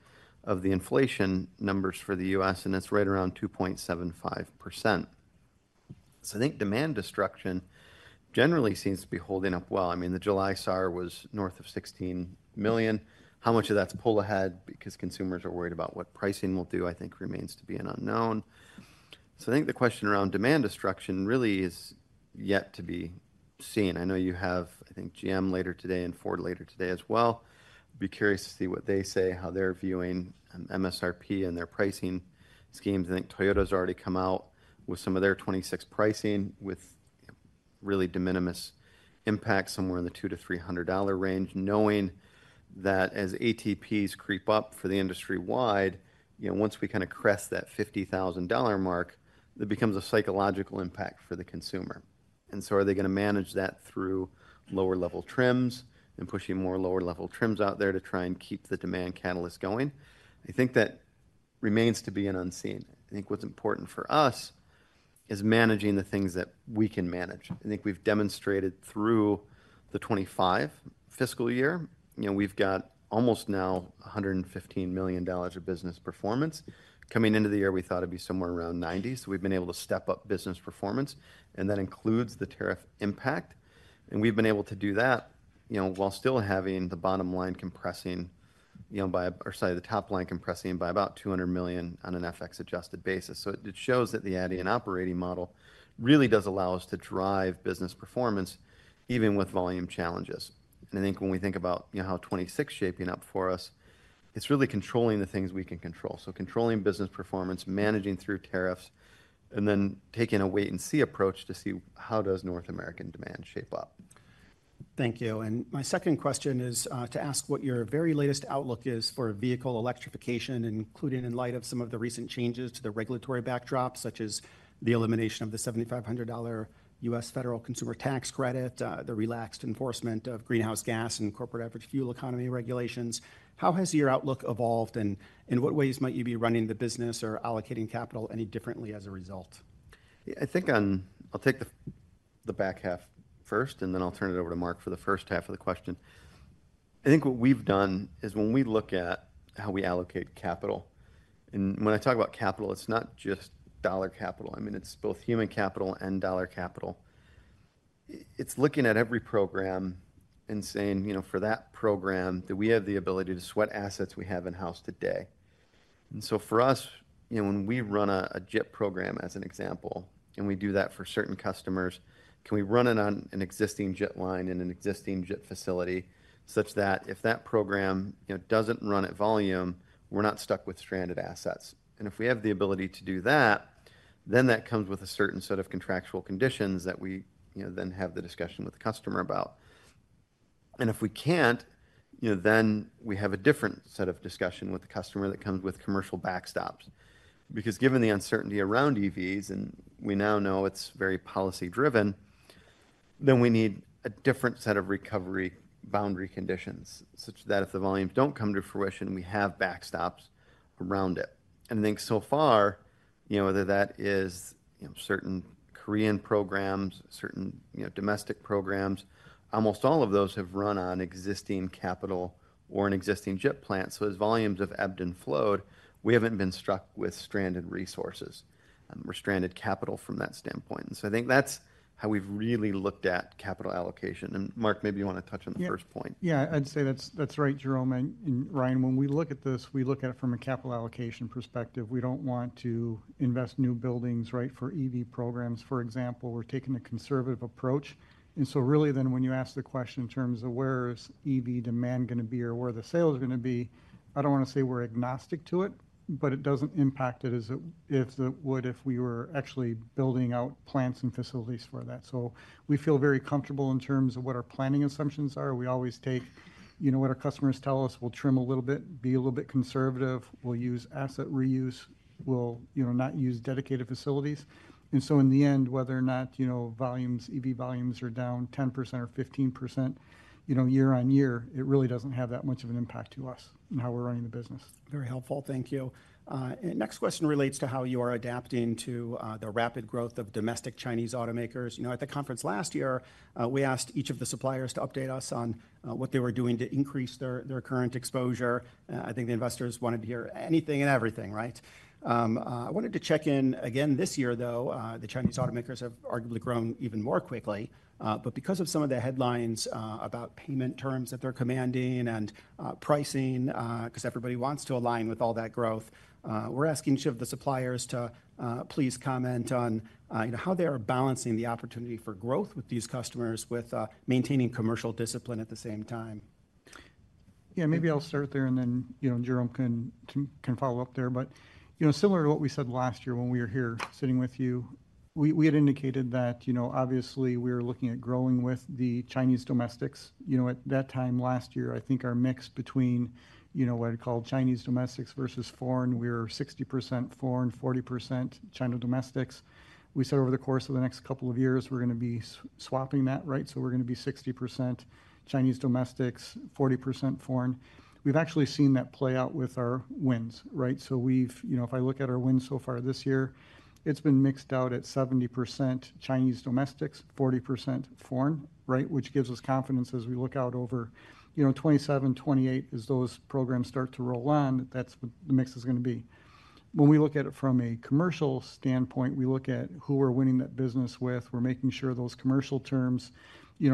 of the inflation numbers for the U.S., and that's right around 2.75%. I think demand destruction generally seems to be holding up well. The July SAR was north of 16 million. How much of that's pull ahead because consumers are worried about what pricing will do, I think remains to be an unknown. The question around demand destruction really is yet to be seen. I know you have, I think, GM later today and Ford later today as well. I'd be curious to see what they say, how they're viewing MSRP and their pricing schemes. I think Toyota's already come out with some of their 2026 pricing with really de minimis impacts somewhere in the $200 to $300 range, knowing that as ATPs creep up for the industry wide, once we kind of crest that $50,000 mark, that becomes a psychological impact for the consumer. Are they going to manage that through lower level trims and pushing more lower level trims out there to try and keep the demand catalyst going? I think that remains to be an unseen. I think what's important for us is managing the things that we can manage. I think we've demonstrated through the 2025 fiscal year, you know, we've got almost now $115 million of business performance. Coming into the year, we thought it'd be somewhere around $90 million. We've been able to step up business performance, and that includes the tariff impact. We've been able to do that while still having the bottom line compressing, you know, by our side of the top line compressing by about $200 million on an FX-adjusted basis. It shows that the Aptiv operating model really does allow us to drive business performance even with volume challenges. I think when we think about how 2026 is shaping up for us, it's really controlling the things we can control, controlling business performance, managing through tariffs, and then taking a wait-and-see approach to see how North American demand shapes up. Thank you. My second question is to ask what your very latest outlook is for vehicle electrification, including in light of some of the recent changes to the regulatory backdrop, such as the elimination of the $7,500 U.S. federal consumer tax credit, the relaxed enforcement of greenhouse gas and corporate average fuel economy regulations. How has your outlook evolved, and in what ways might you be running the business or allocating capital any differently as a result? Yeah, I think I'll take the back half first, and then I'll turn it over to Mark for the first half of the question. I think what we've done is when we look at how we allocate capital, and when I talk about capital, it's not just dollar capital. I mean, it's both human capital and dollar capital. It's looking at every program and saying, you know, for that program, do we have the ability to sweat assets we have in-house today? For us, when we run a JET program as an example, and we do that for certain customers, can we run it on an existing JET line in an existing JET facility such that if that program doesn't run at volume, we're not stuck with stranded assets? If we have the ability to do that, then that comes with a certain set of contractual conditions that we then have the discussion with the customer about. If we can't, we have a different set of discussion with the customer that comes with commercial backstops. Given the uncertainty around EVs, and we now know it's very policy-driven, we need a different set of recovery boundary conditions such that if the volumes don't come to fruition, we have backstops around it. I think so far, whether that is certain Korean programs, certain domestic programs, almost all of those have run on existing capital or an existing JET plant. As volumes have ebbed and flowed, we haven't been struck with stranded resources or stranded capital from that standpoint. I think that's how we've really looked at capital allocation. Mark, maybe you want to touch on the first point. Yeah, I'd say that's right, Jerome. And Ryan, when we look at this, we look at it from a capital allocation perspective. We don't want to invest new buildings, right, for EV programs. For example, we're taking a conservative approach. When you ask the question in terms of where is EV demand going to be or where the sales are going to be, I don't want to say we're agnostic to it, but it doesn't impact it as it would if we were actually building out plants and facilities for that. We feel very comfortable in terms of what our planning assumptions are. We always take what our customers tell us. We'll trim a little bit, be a little bit conservative. We'll use asset reuse. We'll not use dedicated facilities. In the end, whether or not EV volumes are down 10% or 15% year on year, it really doesn't have that much of an impact to us and how we're running the business. Very helpful. Thank you. Next question relates to how you are adapting to the rapid growth of domestic Chinese automakers. At the conference last year, we asked each of the suppliers to update us on what they were doing to increase their current exposure. I think the investors wanted to hear anything and everything. I wanted to check in again this year, though. The Chinese automakers have arguably grown even more quickly. Because of some of the headlines about payment terms that they're commanding and pricing, because everybody wants to align with all that growth, we're asking each of the suppliers to please comment on how they are balancing the opportunity for growth with these customers with maintaining commercial discipline at the same time. Yeah, maybe I'll start there and then, you know, Jerome can follow up there. Similar to what we said last year when we were here sitting with you, we had indicated that, obviously, we were looking at growing with the Chinese domestics. At that time last year, I think our mix between what I'd call Chinese domestics versus foreign, we were 60% foreign, 40% Chinese domestics. We said over the course of the next couple of years, we're going to be swapping that, right? We're going to be 60% Chinese domestics, 40% foreign. We've actually seen that play out with our wins, right? If I look at our wins so far this year, it's been mixed out at 70% Chinese domestics, 40% foreign, right? Which gives us confidence as we look out over 2027, 2028 as those programs start to roll on, that's what the mix is going to be. When we look at it from a commercial standpoint, we look at who we're winning that business with. We're making sure those commercial terms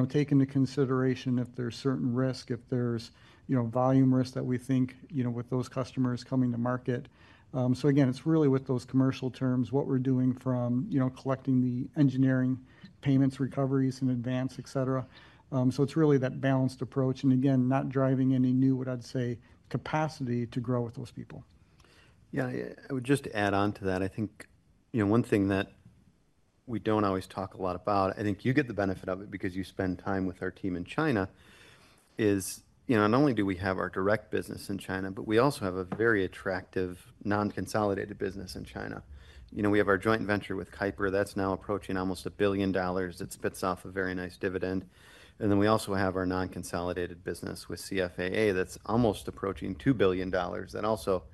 take into consideration if there's certain risk, if there's volume risk that we think with those customers coming to market. Again, it's really with those commercial terms, what we're doing from collecting the engineering payments, recoveries in advance, et cetera. It's really that balanced approach and again, not driving any new, what I'd say, capacity to grow with those people. Yeah. I would just add on to that. I think one thing that we don't always talk a lot about, I think you get the benefit of it because you spend time with our team in China, is not only do we have our direct business in China, but we also have a very attractive non-consolidated business in China. We have our joint venture with Kaiper, that's now approaching almost $1 billion. It spits off a very nice dividend. Then we also have our non-consolidated business with CFAA that's almost approaching $2 billion. That also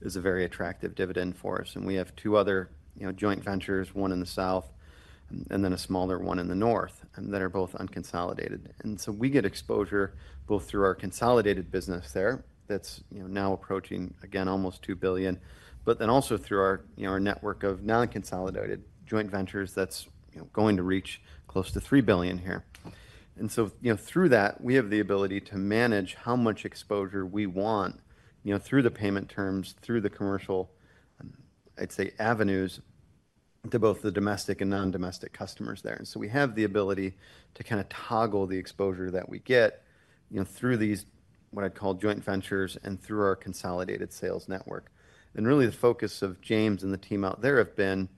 is a very attractive dividend for us. We have two other joint ventures, one in the south and then a smaller one in the north that are both unconsolidated. We get exposure both through our consolidated business there that's now approaching again almost $2 billion, but then also through our network of non-consolidated joint ventures that's going to reach close to $3 billion here. Through that, we have the ability to manage how much exposure we want through the payment terms, through the commercial avenues to both the domestic and non-domestic customers there. We have the ability to kind of toggle the exposure that we get through these, what I'd call joint ventures and through our consolidated sales network. The focus of James and the team out there has been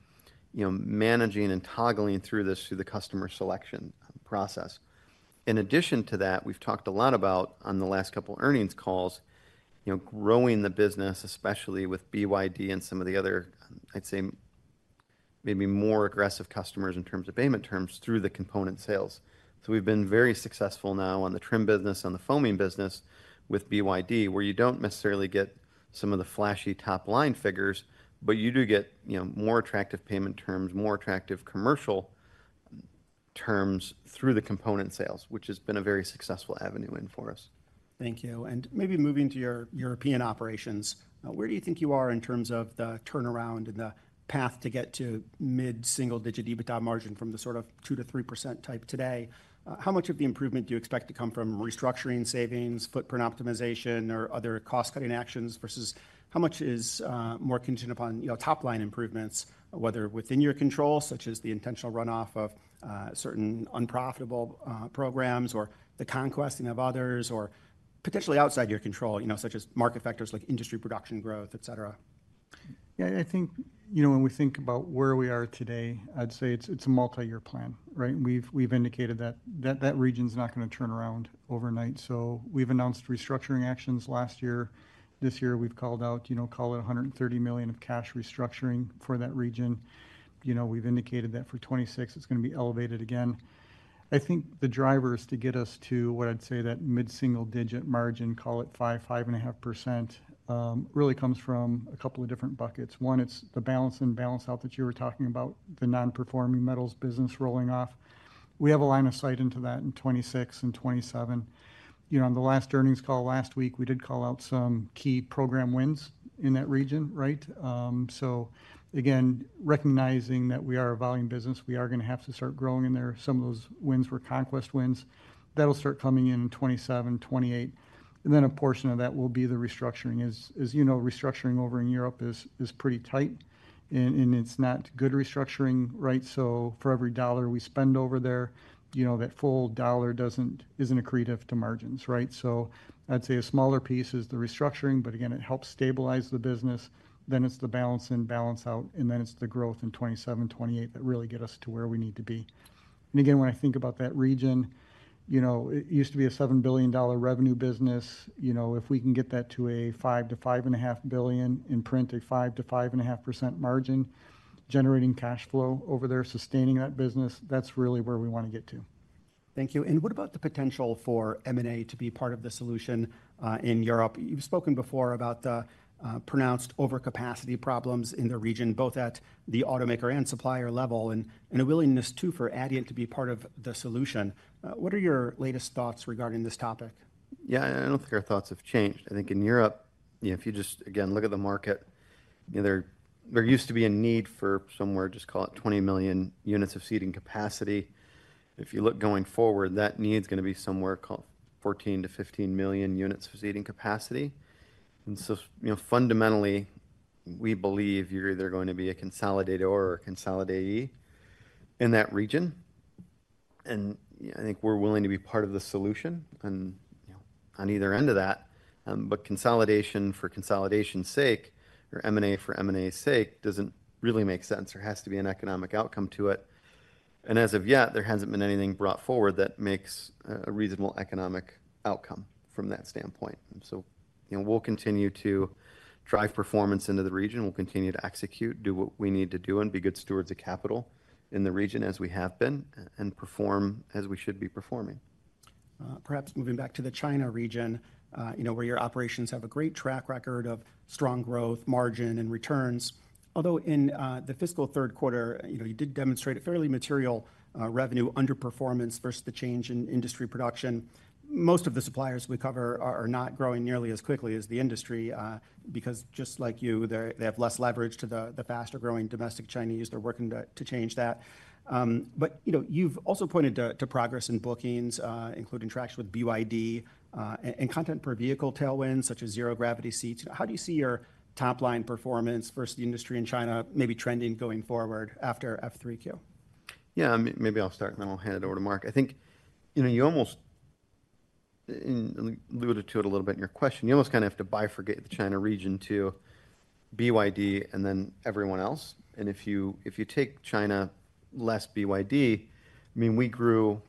managing and toggling through this through the customer selection process. In addition to that, we've talked a lot about on the last couple earnings calls growing the business, especially with BYD and some of the other, maybe more aggressive customers in terms of payment terms through the component sales. We've been very successful now on the trim business, on the foaming business with BYD, where you don't necessarily get some of the flashy top line figures, but you do get more attractive payment terms, more attractive commercial terms through the component sales, which has been a very successful avenue in for us. Thank you. Maybe moving to your European operations, where do you think you are in terms of the turnaround and the path to get to mid-single-digit EBITDA margin from the sort of 2%-3% type today? How much of the improvement do you expect to come from restructuring, savings, footprint optimization, or other cost-cutting actions versus how much is more contingent upon, you know, top line improvements, whether within your control, such as the intentional runoff of certain unprofitable programs or the conquesting of others, or potentially outside your control, you know, such as market factors like industry production growth, etc.? Yeah, I think, you know, when we think about where we are today, I'd say it's a multi-year plan, right? We've indicated that that region's not going to turn around overnight. We've announced restructuring actions last year. This year we've called out, you know, call it $130 million of cash restructuring for that region. We've indicated that for 2026 it's going to be elevated again. I think the drivers to get us to what I'd say that mid-single-digit margin, call it 5%, 5.5%, really comes from a couple of different buckets. One, it's the balance in balance out that you were talking about, the non-performing metals business rolling off. We have a line of sight into that in 2026 and 2027. On the last earnings call last week, we did call out some key program wins in that region, right? Again, recognizing that we are a volume business, we are going to have to start growing in there. Some of those wins were conquest wins. That'll start coming in in 2027, 2028. A portion of that will be the restructuring. As you know, restructuring over in Europe is pretty tight. It's not good restructuring, right? For every dollar we spend over there, that full dollar isn't accretive to margins, right? I'd say a smaller piece is the restructuring, but again, it helps stabilize the business. It's the balance in balance out, and it's the growth in 2027, 2028 that really get us to where we need to be. Again, when I think about that region, it used to be a $7 billion revenue business. If we can get that to a $5 billion to $5.5 billion and print a 5% to 5.5% margin, generating cash flow over there, sustaining that business, that's really where we want to get to. Thank you. What about the potential for M&A to be part of the solution in Europe? You've spoken before about the pronounced overcapacity problems in the region, both at the automaker and supplier level, and a willingness too for Adient to be part of the solution. What are your latest thoughts regarding this topic? Yeah, I don't think our thoughts have changed. I think in Europe, if you just again look at the market, there used to be a need for somewhere, just call it 20 million units of seating capacity. If you look going forward, that need is going to be somewhere called 14 to 15 million units of seating capacity. Fundamentally, we believe you're either going to be a consolidator or a consolidatee in that region. I think we're willing to be part of the solution on either end of that. Consolidation for consolidation's sake or M&A for M&A's sake doesn't really make sense. There has to be an economic outcome to it. As of yet, there hasn't been anything brought forward that makes a reasonable economic outcome from that standpoint. We'll continue to drive performance into the region. We'll continue to execute, do what we need to do, and be good stewards of capital in the region as we have been and perform as we should be performing. Perhaps moving back to the China region, where your operations have a great track record of strong growth, margin, and returns. Although in the fiscal third quarter, you did demonstrate a fairly material revenue underperformance versus the change in industry production. Most of the suppliers we cover are not growing nearly as quickly as the industry because just like you, they have less leverage to the faster growing domestic Chinese. They're working to change that. You've also pointed to progress in bookings, including tracks with BYD and content per vehicle tailwinds such as zero gravity seats. How do you see your top line performance versus the industry in China maybe trending going forward after F3Q? Yeah, maybe I'll start and then I'll hand it over to Mark. I think you almost alluded to it a little bit in your question. You almost kind of have to bifurcate the China region to BYD and then everyone else. If you take China less BYD, I mean, we grew,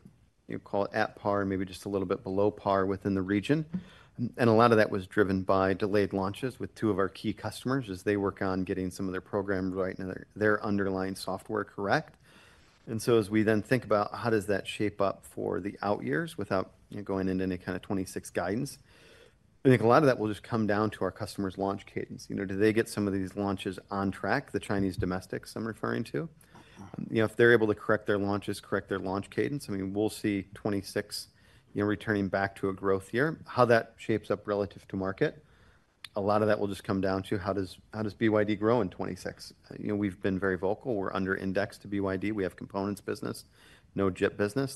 call it at par, maybe just a little bit below par within the region. A lot of that was driven by delayed launches with two of our key customers as they work on getting some of their programs right and their underlying software correct. As we then think about how that shapes up for the out years without going into any kind of 2026 guidance, I think a lot of that will just come down to our customers' launch cadence. Do they get some of these launches on track, the Chinese domestics I'm referring to? If they're able to correct their launches, correct their launch cadence, we'll see 2026 returning back to a growth year, how that shapes up relative to market. A lot of that will just come down to how does BYD grow in 2026. We've been very vocal. We're under-indexed to BYD. We have components business, no JET business.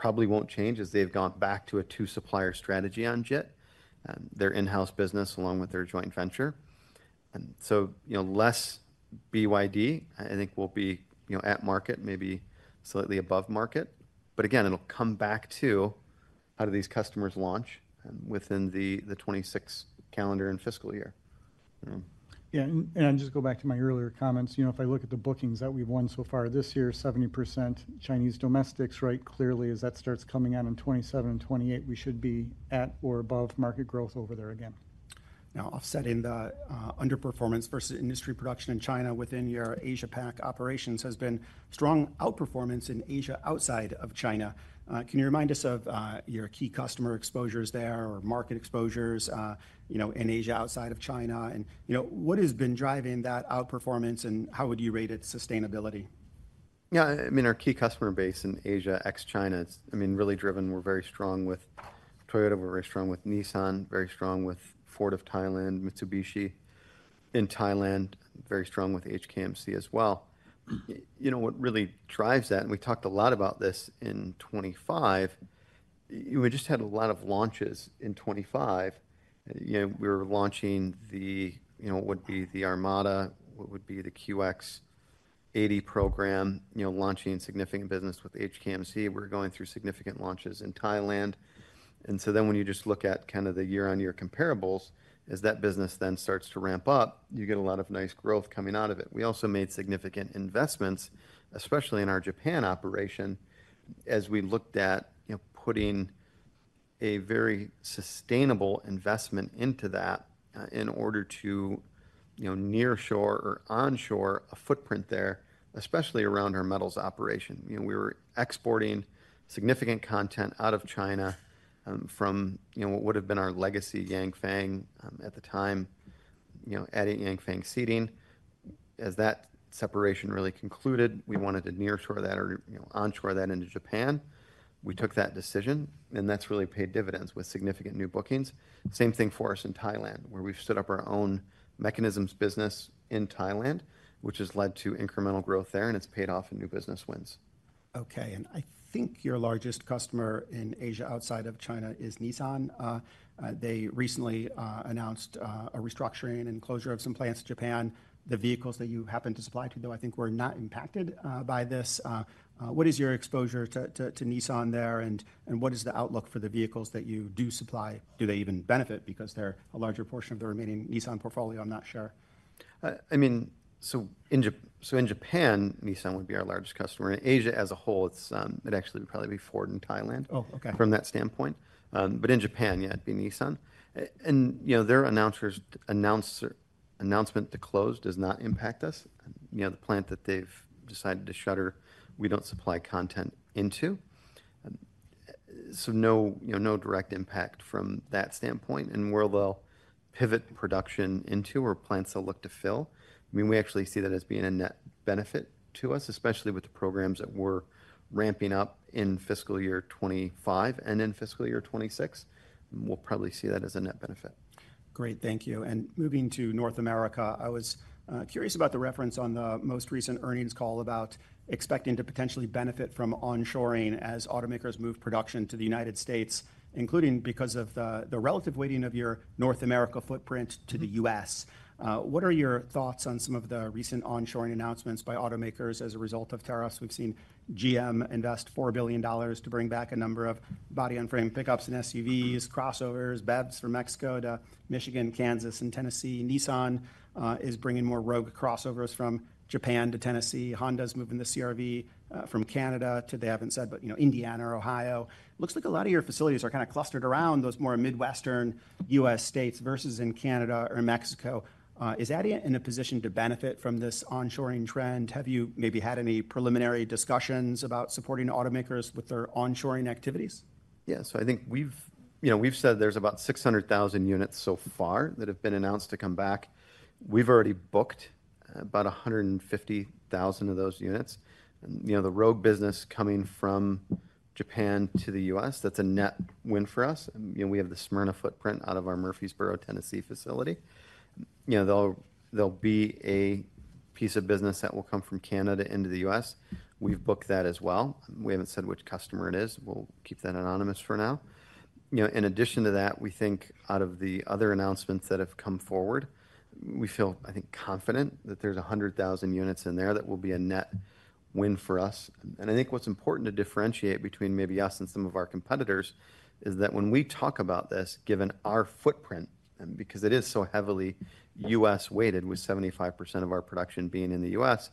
That probably won't change as they've gone back to a two-supplier strategy on JET and their in-house business along with their joint venture. Less BYD, I think, will be at market, maybe slightly above market. Again, it'll come back to how do these customers launch within the 2026 calendar and fiscal year. Yeah, and I'll just go back to my earlier comments. You know, if I look at the bookings that we've won so far this year, 70% Chinese domestics, right? Clearly, as that starts coming out in 2027 and 2028, we should be at or above market growth over there again. Now, offsetting the underperformance versus industry production in China within your Asia-Pac operations has been strong outperformance in Asia outside of China. Can you remind us of your key customer exposures there or market exposures, you know, in Asia outside of China? You know, what has been driving that outperformance and how would you rate its sustainability? Yeah, I mean, our key customer base in Asia, ex-China, is really driven. We're very strong with Toyota. We're very strong with Nissan. Very strong with Ford of Thailand, Mitsubishi in Thailand. Very strong with HKMC as well. What really drives that, and we talked a lot about this in 2025, we just had a lot of launches in 2025. We were launching the Armada, what would be the QX80 program, launching significant business with HKMC. We're going through significant launches in Thailand. When you just look at the year-on-year comparables, as that business then starts to ramp up, you get a lot of nice growth coming out of it. We also made significant investments, especially in our Japan operation, as we looked at putting a very sustainable investment into that in order to nearshore or onshore a footprint there, especially around our metals operation. We were exporting significant content out of China from what would have been our legacy Yangfang at the time, adding Yangfang seating. As that separation really concluded, we wanted to nearshore that or onshore that into Japan. We took that decision, and that's really paid dividends with significant new bookings. Same thing for us in Thailand, where we've stood up our own mechanisms business in Thailand, which has led to incremental growth there, and it's paid off in new business wins. Okay, and I think your largest customer in Asia outside of China is Nissan. They recently announced a restructuring and closure of some plants in Japan. The vehicles that you happen to supply to, though, I think were not impacted by this. What is your exposure to Nissan there, and what is the outlook for the vehicles that you do supply? Do they even benefit because they're a larger portion of the remaining Nissan portfolio? I'm not sure. I mean, so in Japan, Nissan would be our largest customer. In Asia as a whole, it actually would probably be Ford in Thailand from that standpoint. In Japan, yeah, it'd be Nissan. Their announcement to close does not impact us. The plant that they've decided to shutter, we don't supply content into. No, you know, no direct impact from that standpoint. Where they'll pivot production into or plants they'll look to fill, we actually see that as being a net benefit to us, especially with the programs that we're ramping up in fiscal year 2025 and in fiscal year 2026. We'll probably see that as a net benefit. Great, thank you. Moving to North America, I was curious about the reference on the most recent earnings call about expecting to potentially benefit from onshoring as automakers move production to the United States, including because of the relative weighting of your North America footprint to the U.S. What are your thoughts on some of the recent onshoring announcements by automakers as a result of tariffs? We've seen GM invest $4 billion to bring back a number of body-on-frame pickups and SUVs, crossovers, BEVs from Mexico to Michigan, Kansas, and Tennessee. Nissan is bringing more Rogue crossovers from Japan to Tennessee. Honda is moving the CR-V from Canada to, they haven't said, but, you know, Indiana, Ohio. Looks like a lot of your facilities are kind of clustered around those more Midwestern U.S. states versus in Canada or Mexico. Is that in a position to benefit from this onshoring trend? Have you maybe had any preliminary discussions about supporting automakers with their onshoring activities? Yeah, so I think we've said there's about 600,000 units so far that have been announced to come back. We've already booked about 150,000 of those units. The rogue business coming from Japan to the U.S., that's a net win for us. We have the Smyrna footprint out of our Murfreesboro, Tennessee facility. There will be a piece of business that will come from Canada into the U.S. We've booked that as well. We haven't said which customer it is. We'll keep that anonymous for now. In addition to that, we think out of the other announcements that have come forward, we feel confident that there's 100,000 units in there that will be a net win for us. What's important to differentiate between maybe us and some of our competitors is that when we talk about this, given our footprint, and because it is so heavily U.S. weighted with 75% of our production being in the U.S.,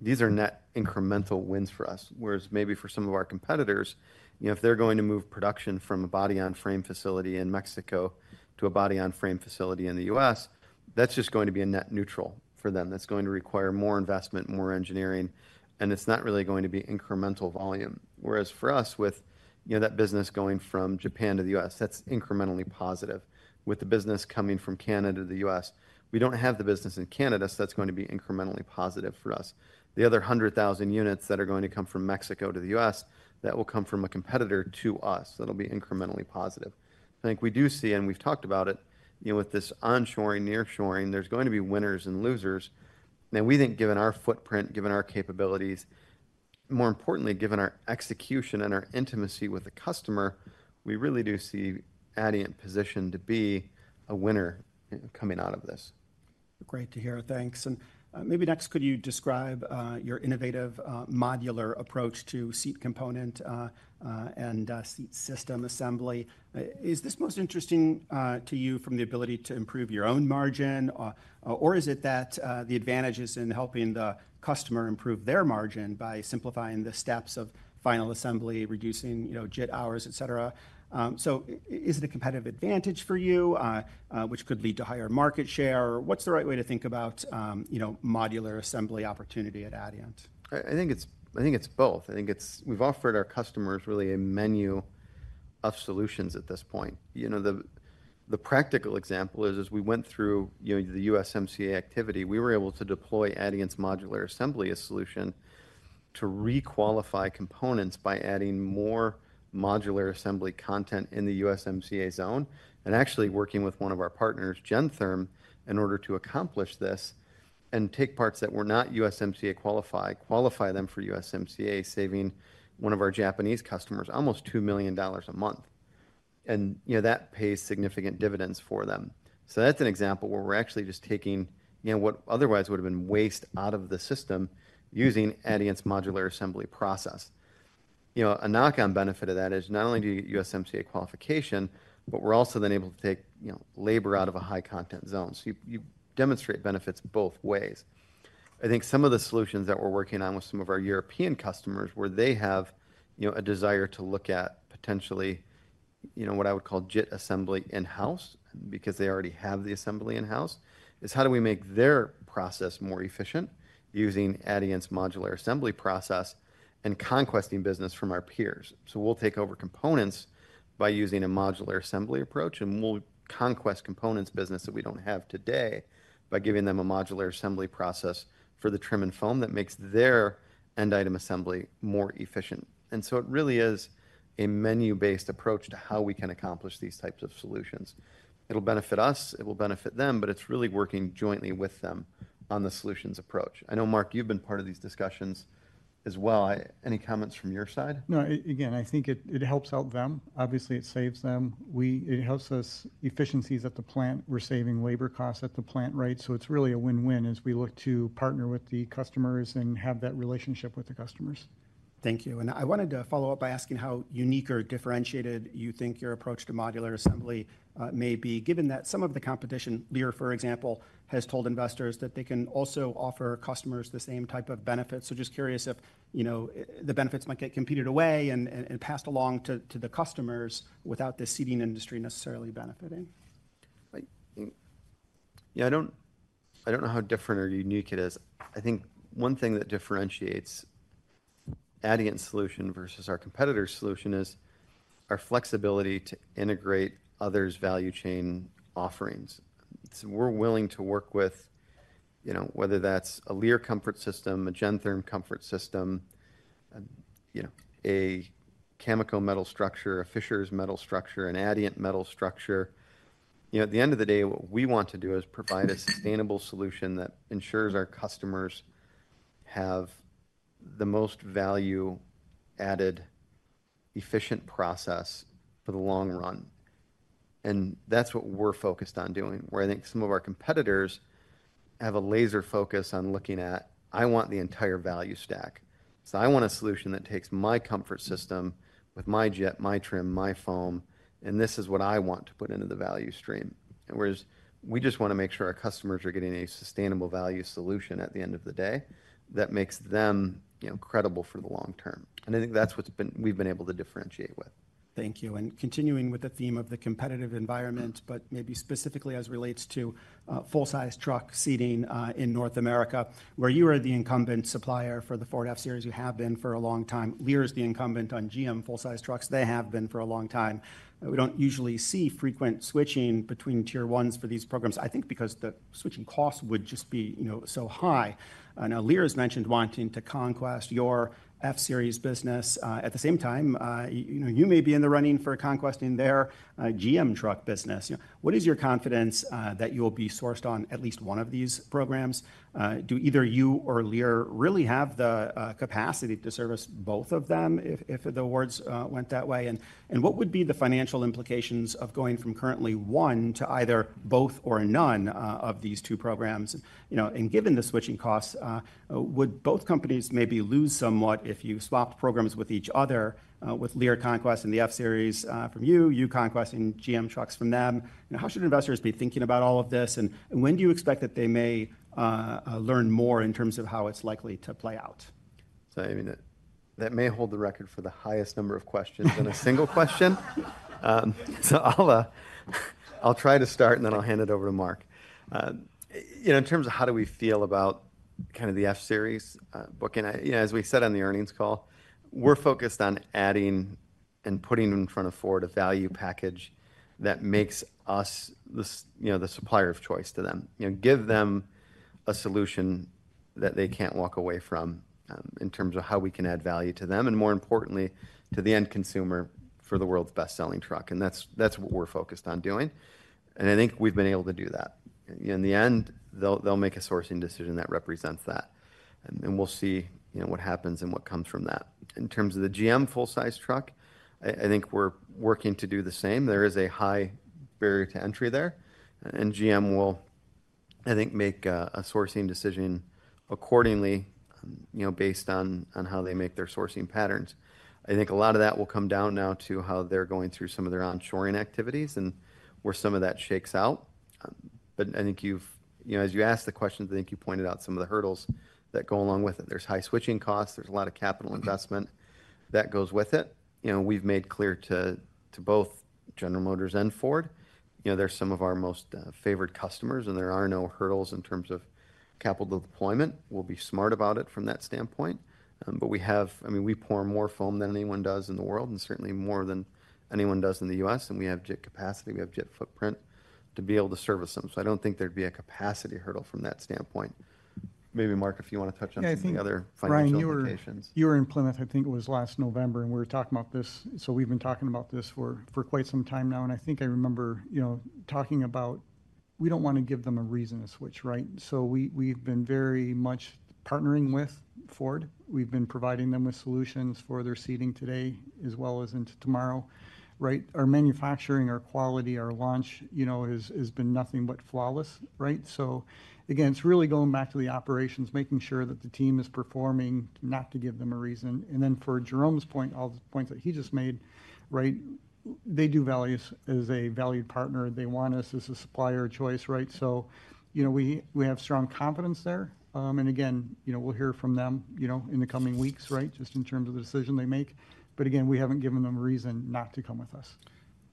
these are net incremental wins for us. Whereas maybe for some of our competitors, if they're going to move production from a body-on-frame facility in Mexico to a body-on-frame facility in the U.S., that's just going to be a net neutral for them. That's going to require more investment, more engineering, and it's not really going to be incremental volume. For us, with that business going from Japan to the U.S., that's incrementally positive. With the business coming from Canada to the U.S., we don't have the business in Canada, so that's going to be incrementally positive for us. The other 100,000 units that are going to come from Mexico to the U.S., that will come from a competitor to us. That'll be incrementally positive. We do see, and we've talked about it, with this onshoring, nearshoring, there's going to be winners and losers. We think given our footprint, given our capabilities, more importantly, given our execution and our intimacy with the customer, we really do see Aptiv in position to be a winner coming out of this. Great to hear, thanks. Maybe next, could you describe your innovative modular approach to seat component and seat system assembly? Is this most interesting to you from the ability to improve your own margin, or is it that the advantage is in helping the customer improve their margin by simplifying the steps of final assembly, reducing, you know, jet hours, et cetera? Is it a competitive advantage for you, which could lead to higher market share, or what's the right way to think about, you know, modular assembly opportunity at Adient? I think it's both. I think we've offered our customers really a menu of solutions at this point. The practical example is, as we went through the USMCA activity, we were able to deploy Adient's modular assembly as a solution to requalify components by adding more modular assembly content in the USMCA zone and actually working with one of our partners, Gentherm, in order to accomplish this and take parts that were not USMCA qualified, qualify them for USMCA, saving one of our Japanese customers almost $2 million a month. That pays significant dividends for them. That's an example where we're actually just taking what otherwise would have been waste out of the system using Adient's modular assembly process. A knock-on benefit of that is not only do you get USMCA qualification, but we're also then able to take labor out of a high-content zone. You demonstrate benefits both ways. I think some of the solutions that we're working on with some of our European customers where they have a desire to look at potentially what I would call jet assembly in-house because they already have the assembly in-house is how do we make their process more efficient using Adient's modular assembly process and conquesting business from our peers. We'll take over components by using a modular assembly approach, and we'll conquest components business that we don't have today by giving them a modular assembly process for the trim and foam that makes their end-item assembly more efficient. It really is a menu-based approach to how we can accomplish these types of solutions. It'll benefit us, it will benefit them, but it's really working jointly with them on the solutions approach. I know, Mark, you've been part of these discussions as well. Any comments from your side? No, again, I think it helps out them. Obviously, it saves them. It helps us efficiencies at the plant. We're saving labor costs at the plant, right? It's really a win-win as we look to partner with the customers and have that relationship with the customers. Thank you. I wanted to follow up by asking how unique or differentiated you think your approach to modular assembly may be, given that some of the competition, BYD, for example, has told investors that they can also offer customers the same type of benefits. I am just curious if the benefits might get competed away and passed along to the customers without the seating industry necessarily benefiting. Yeah, I don't know how different or unique it is. I think one thing that differentiates Adient's solution versus our competitor's solution is our flexibility to integrate others' value chain offerings. We're willing to work with, you know, whether that's a Lear comfort system, a Gentherm comfort system, you know, a Camaco metal structure, a Fisher's metal structure, an Adient metal structure. At the end of the day, what we want to do is provide a sustainable solution that ensures our customers have the most value-added efficient process for the long run. That's what we're focused on doing, where I think some of our competitors have a laser focus on looking at, I want the entire value stack. I want a solution that takes my comfort system with my trim, my foam, and this is what I want to put into the value stream. We just want to make sure our customers are getting a sustainable value solution at the end of the day that makes them credible for the long term. I think that's what we've been able to differentiate with. Thank you. Continuing with the theme of the competitive environment, but maybe specifically as it relates to full-size truck seating in North America, where you are the incumbent supplier for the Ford F-Series, you have been for a long time. Lear is the incumbent on GM full-size trucks. They have been for a long time. We don't usually see frequent switching between tier ones for these programs, I think because the switching costs would just be so high. Lear has mentioned wanting to conquest your F-Series business. At the same time, you may be in the running for conquesting their GM truck business. What is your confidence that you'll be sourced on at least one of these programs? Do either you or Lear really have the capacity to service both of them if the awards went that way? What would be the financial implications of going from currently one to either both or none of these two programs? Given the switching costs, would both companies maybe lose somewhat if you swapped programs with each other, with Lear conquesting the F-Series from you, you conquesting GM trucks from them? How should investors be thinking about all of this? When do you expect that they may learn more in terms of how it's likely to play out? That may hold the record for the highest number of questions in a single question. I'll try to start and then I'll hand it over to Mark. In terms of how do we feel about kind of the F-Series booking, as we said on the earnings call, we're focused on adding and putting in front of Ford a value package that makes us the supplier of choice to them. We give them a solution that they can't walk away from in terms of how we can add value to them and, more importantly, to the end consumer for the world's best-selling truck. That's what we're focused on doing. I think we've been able to do that. In the end, they'll make a sourcing decision that represents that. We'll see what happens and what comes from that. In terms of the GM full-size truck, I think we're working to do the same. There is a high barrier to entry there. GM will, I think, make a sourcing decision accordingly, based on how they make their sourcing patterns. A lot of that will come down now to how they're going through some of their onshoring activities and where some of that shakes out. As you asked the questions, you pointed out some of the hurdles that go along with it. There are high switching costs. There's a lot of capital investment that goes with it. We've made clear to both General Motors and Ford, they're some of our most favored customers and there are no hurdles in terms of capital deployment. We'll be smart about it from that standpoint. We pour more foam than anyone does in the world and certainly more than anyone does in the U.S. We have jet capacity. We have jet footprint to be able to service them. I don't think there'd be a capacity hurdle from that standpoint. Maybe Mark, if you want to touch on any other financial implications. Your implement, I think it was last November and we were talking about this. We've been talking about this for quite some time now. I think I remember, you know, talking about we don't want to give them a reason to switch, right? We've been very much partnering with Ford. We've been providing them with solutions for their seating today as well as into tomorrow, right? Our manufacturing, our quality, our launch, you know, has been nothing but flawless, right? It's really going back to the operations, making sure that the team is performing, not to give them a reason. For Jerome's point, all the points that he just made, right? They do value us as a valued partner. They want us as a supplier of choice, right? We have strong confidence there. We'll hear from them, you know, in the coming weeks, right? Just in terms of the decision they make. We haven't given them a reason not to come with us.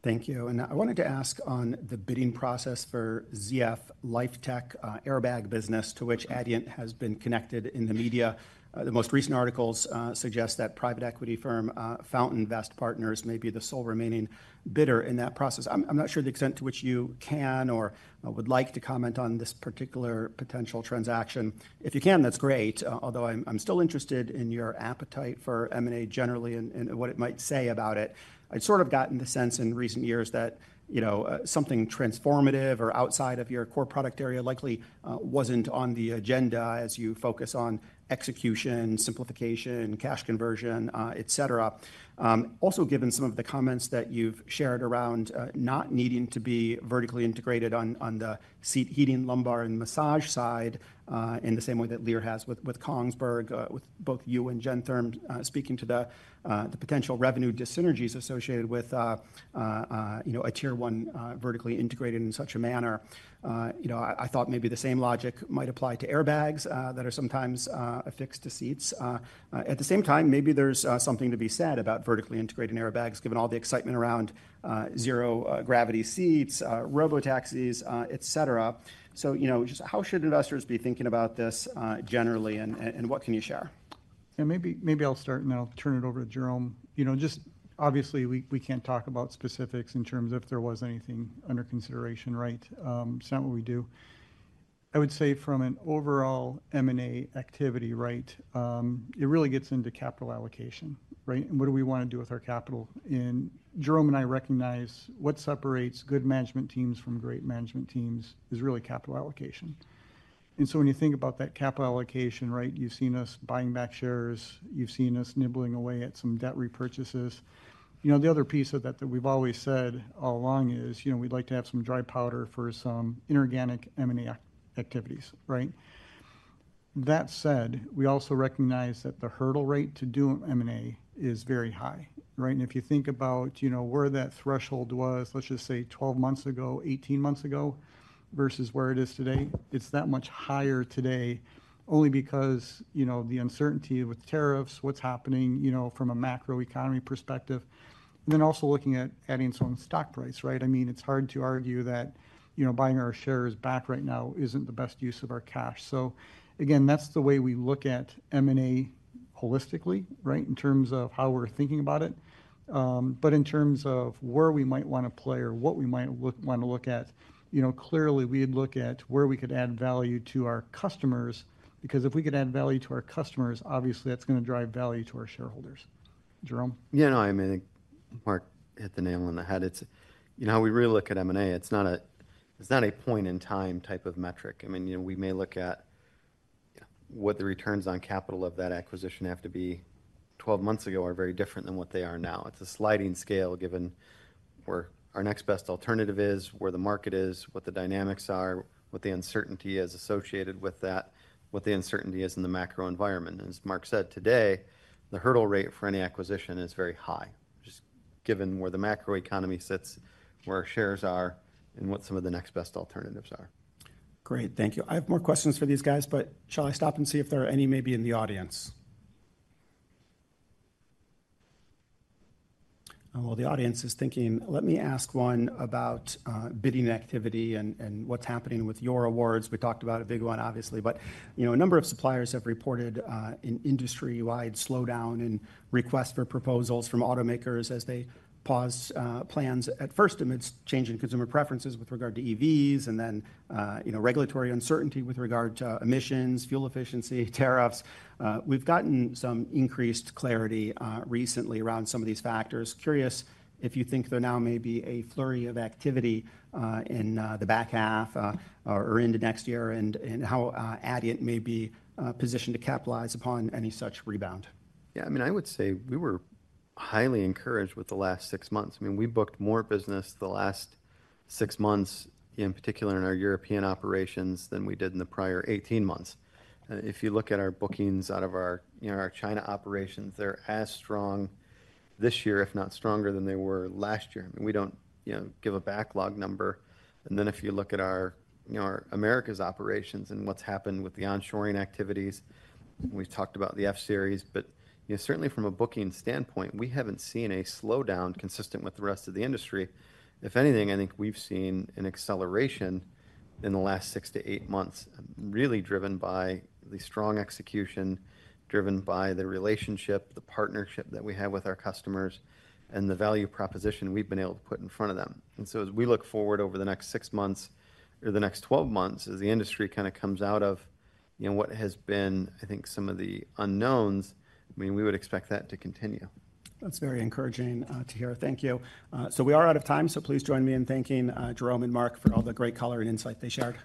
Thank you. I wanted to ask on the bidding process for ZF LifeTech airbag business to which Adient has been connected in the media. The most recent articles suggest that private equity firm FountainVest Partners may be the sole remaining bidder in that process. I'm not sure the extent to which you can or would like to comment on this particular potential transaction. If you can, that's great. I'm still interested in your appetite for M&A generally and what it might say about it. I've sort of gotten the sense in recent years that something transformative or outside of your core product area likely wasn't on the agenda as you focus on execution, simplification, cash conversion, etc. Also, given some of the comments that you've shared around not needing to be vertically integrated on the seat heating, lumbar, and massage side in the same way that Lear has with Kongsberg, with both you and Gentherm speaking to the potential revenue dis-synergies associated with a tier one vertically integrated in such a manner, I thought maybe the same logic might apply to airbags that are sometimes affixed to seats. At the same time, maybe there's something to be said about vertically integrating airbags given all the excitement around zero gravity seats, robotaxis, etc. How should investors be thinking about this generally and what can you share? Yeah, maybe I'll start and then I'll turn it over to Jerome. Obviously, we can't talk about specifics in terms of if there was anything under consideration, right? It's not what we do. I would say from an overall M&A activity, it really gets into capital allocation, right? What do we want to do with our capital? Jerome and I recognize what separates good management teams from great management teams is really capital allocation. When you think about that capital allocation, you've seen us buying back shares. You've seen us nibbling away at some debt repurchases. The other piece of that that we've always said all along is we'd like to have some dry powder for some inorganic M&A activities, right? That said, we also recognize that the hurdle rate to do M&A is very high, right? If you think about where that threshold was, let's just say 12 months ago, 18 months ago, versus where it is today, it's that much higher today only because the uncertainty with tariffs, what's happening from a macroeconomy perspective. Also looking at adding some stock price, right? I mean, it's hard to argue that buying our shares back right now isn't the best use of our cash. Again, that's the way we look at M&A holistically, in terms of how we're thinking about it. In terms of where we might want to play or what we might want to look at, clearly we'd look at where we could add value to our customers because if we could add value to our customers, obviously that's going to drive value to our shareholders. Jerome? Yeah, no, I mean, I think Mark hit the nail on the head. It's, you know, how we really look at M&A. It's not a point-in-time type of metric. I mean, you know, we may look at what the returns on capital of that acquisition have to be 12 months ago are very different than what they are now. It's a sliding scale given where our next best alternative is, where the market is, what the dynamics are, what the uncertainty is associated with that, what the uncertainty is in the macro environment. As Mark said, today, the hurdle rate for any acquisition is very high, just given where the macroeconomy sits, where our shares are, and what some of the next best alternatives are. Great, thank you. I have more questions for these guys, but shall I stop and see if there are any maybe in the audience? The audience is thinking, let me ask one about bidding activity and what's happening with your awards. We talked about a big one, obviously, but you know, a number of suppliers have reported an industry-wide slowdown in requests for proposals from automakers as they pause plans at first amidst changing consumer preferences with regard to EVs and then, you know, regulatory uncertainty with regard to emissions, fuel efficiency, tariffs. We've gotten some increased clarity recently around some of these factors. Curious if you think there now may be a flurry of activity in the back half or into next year and how Aptiv may be positioned to capitalize upon any such rebound. Yeah, I mean, I would say we were highly encouraged with the last six months. We booked more business the last six months, in particular in our European operations, than we did in the prior 18 months. If you look at our bookings out of our China operations, they're as strong this year, if not stronger than they were last year. We don't give a backlog number. If you look at our America's operations and what's happened with the onshoring activities, we've talked about the F-Series, but certainly from a booking standpoint, we haven't seen a slowdown consistent with the rest of the industry. If anything, I think we've seen an acceleration in the last six to eight months, really driven by the strong execution, driven by the relationship, the partnership that we have with our customers, and the value proposition we've been able to put in front of them. As we look forward over the next six months or the next 12 months, as the industry kind of comes out of what has been, I think, some of the unknowns, we would expect that to continue. That's very encouraging to hear. Thank you. We are out of time, so please join me in thanking Jerome and Mark for all the great color and insight they shared.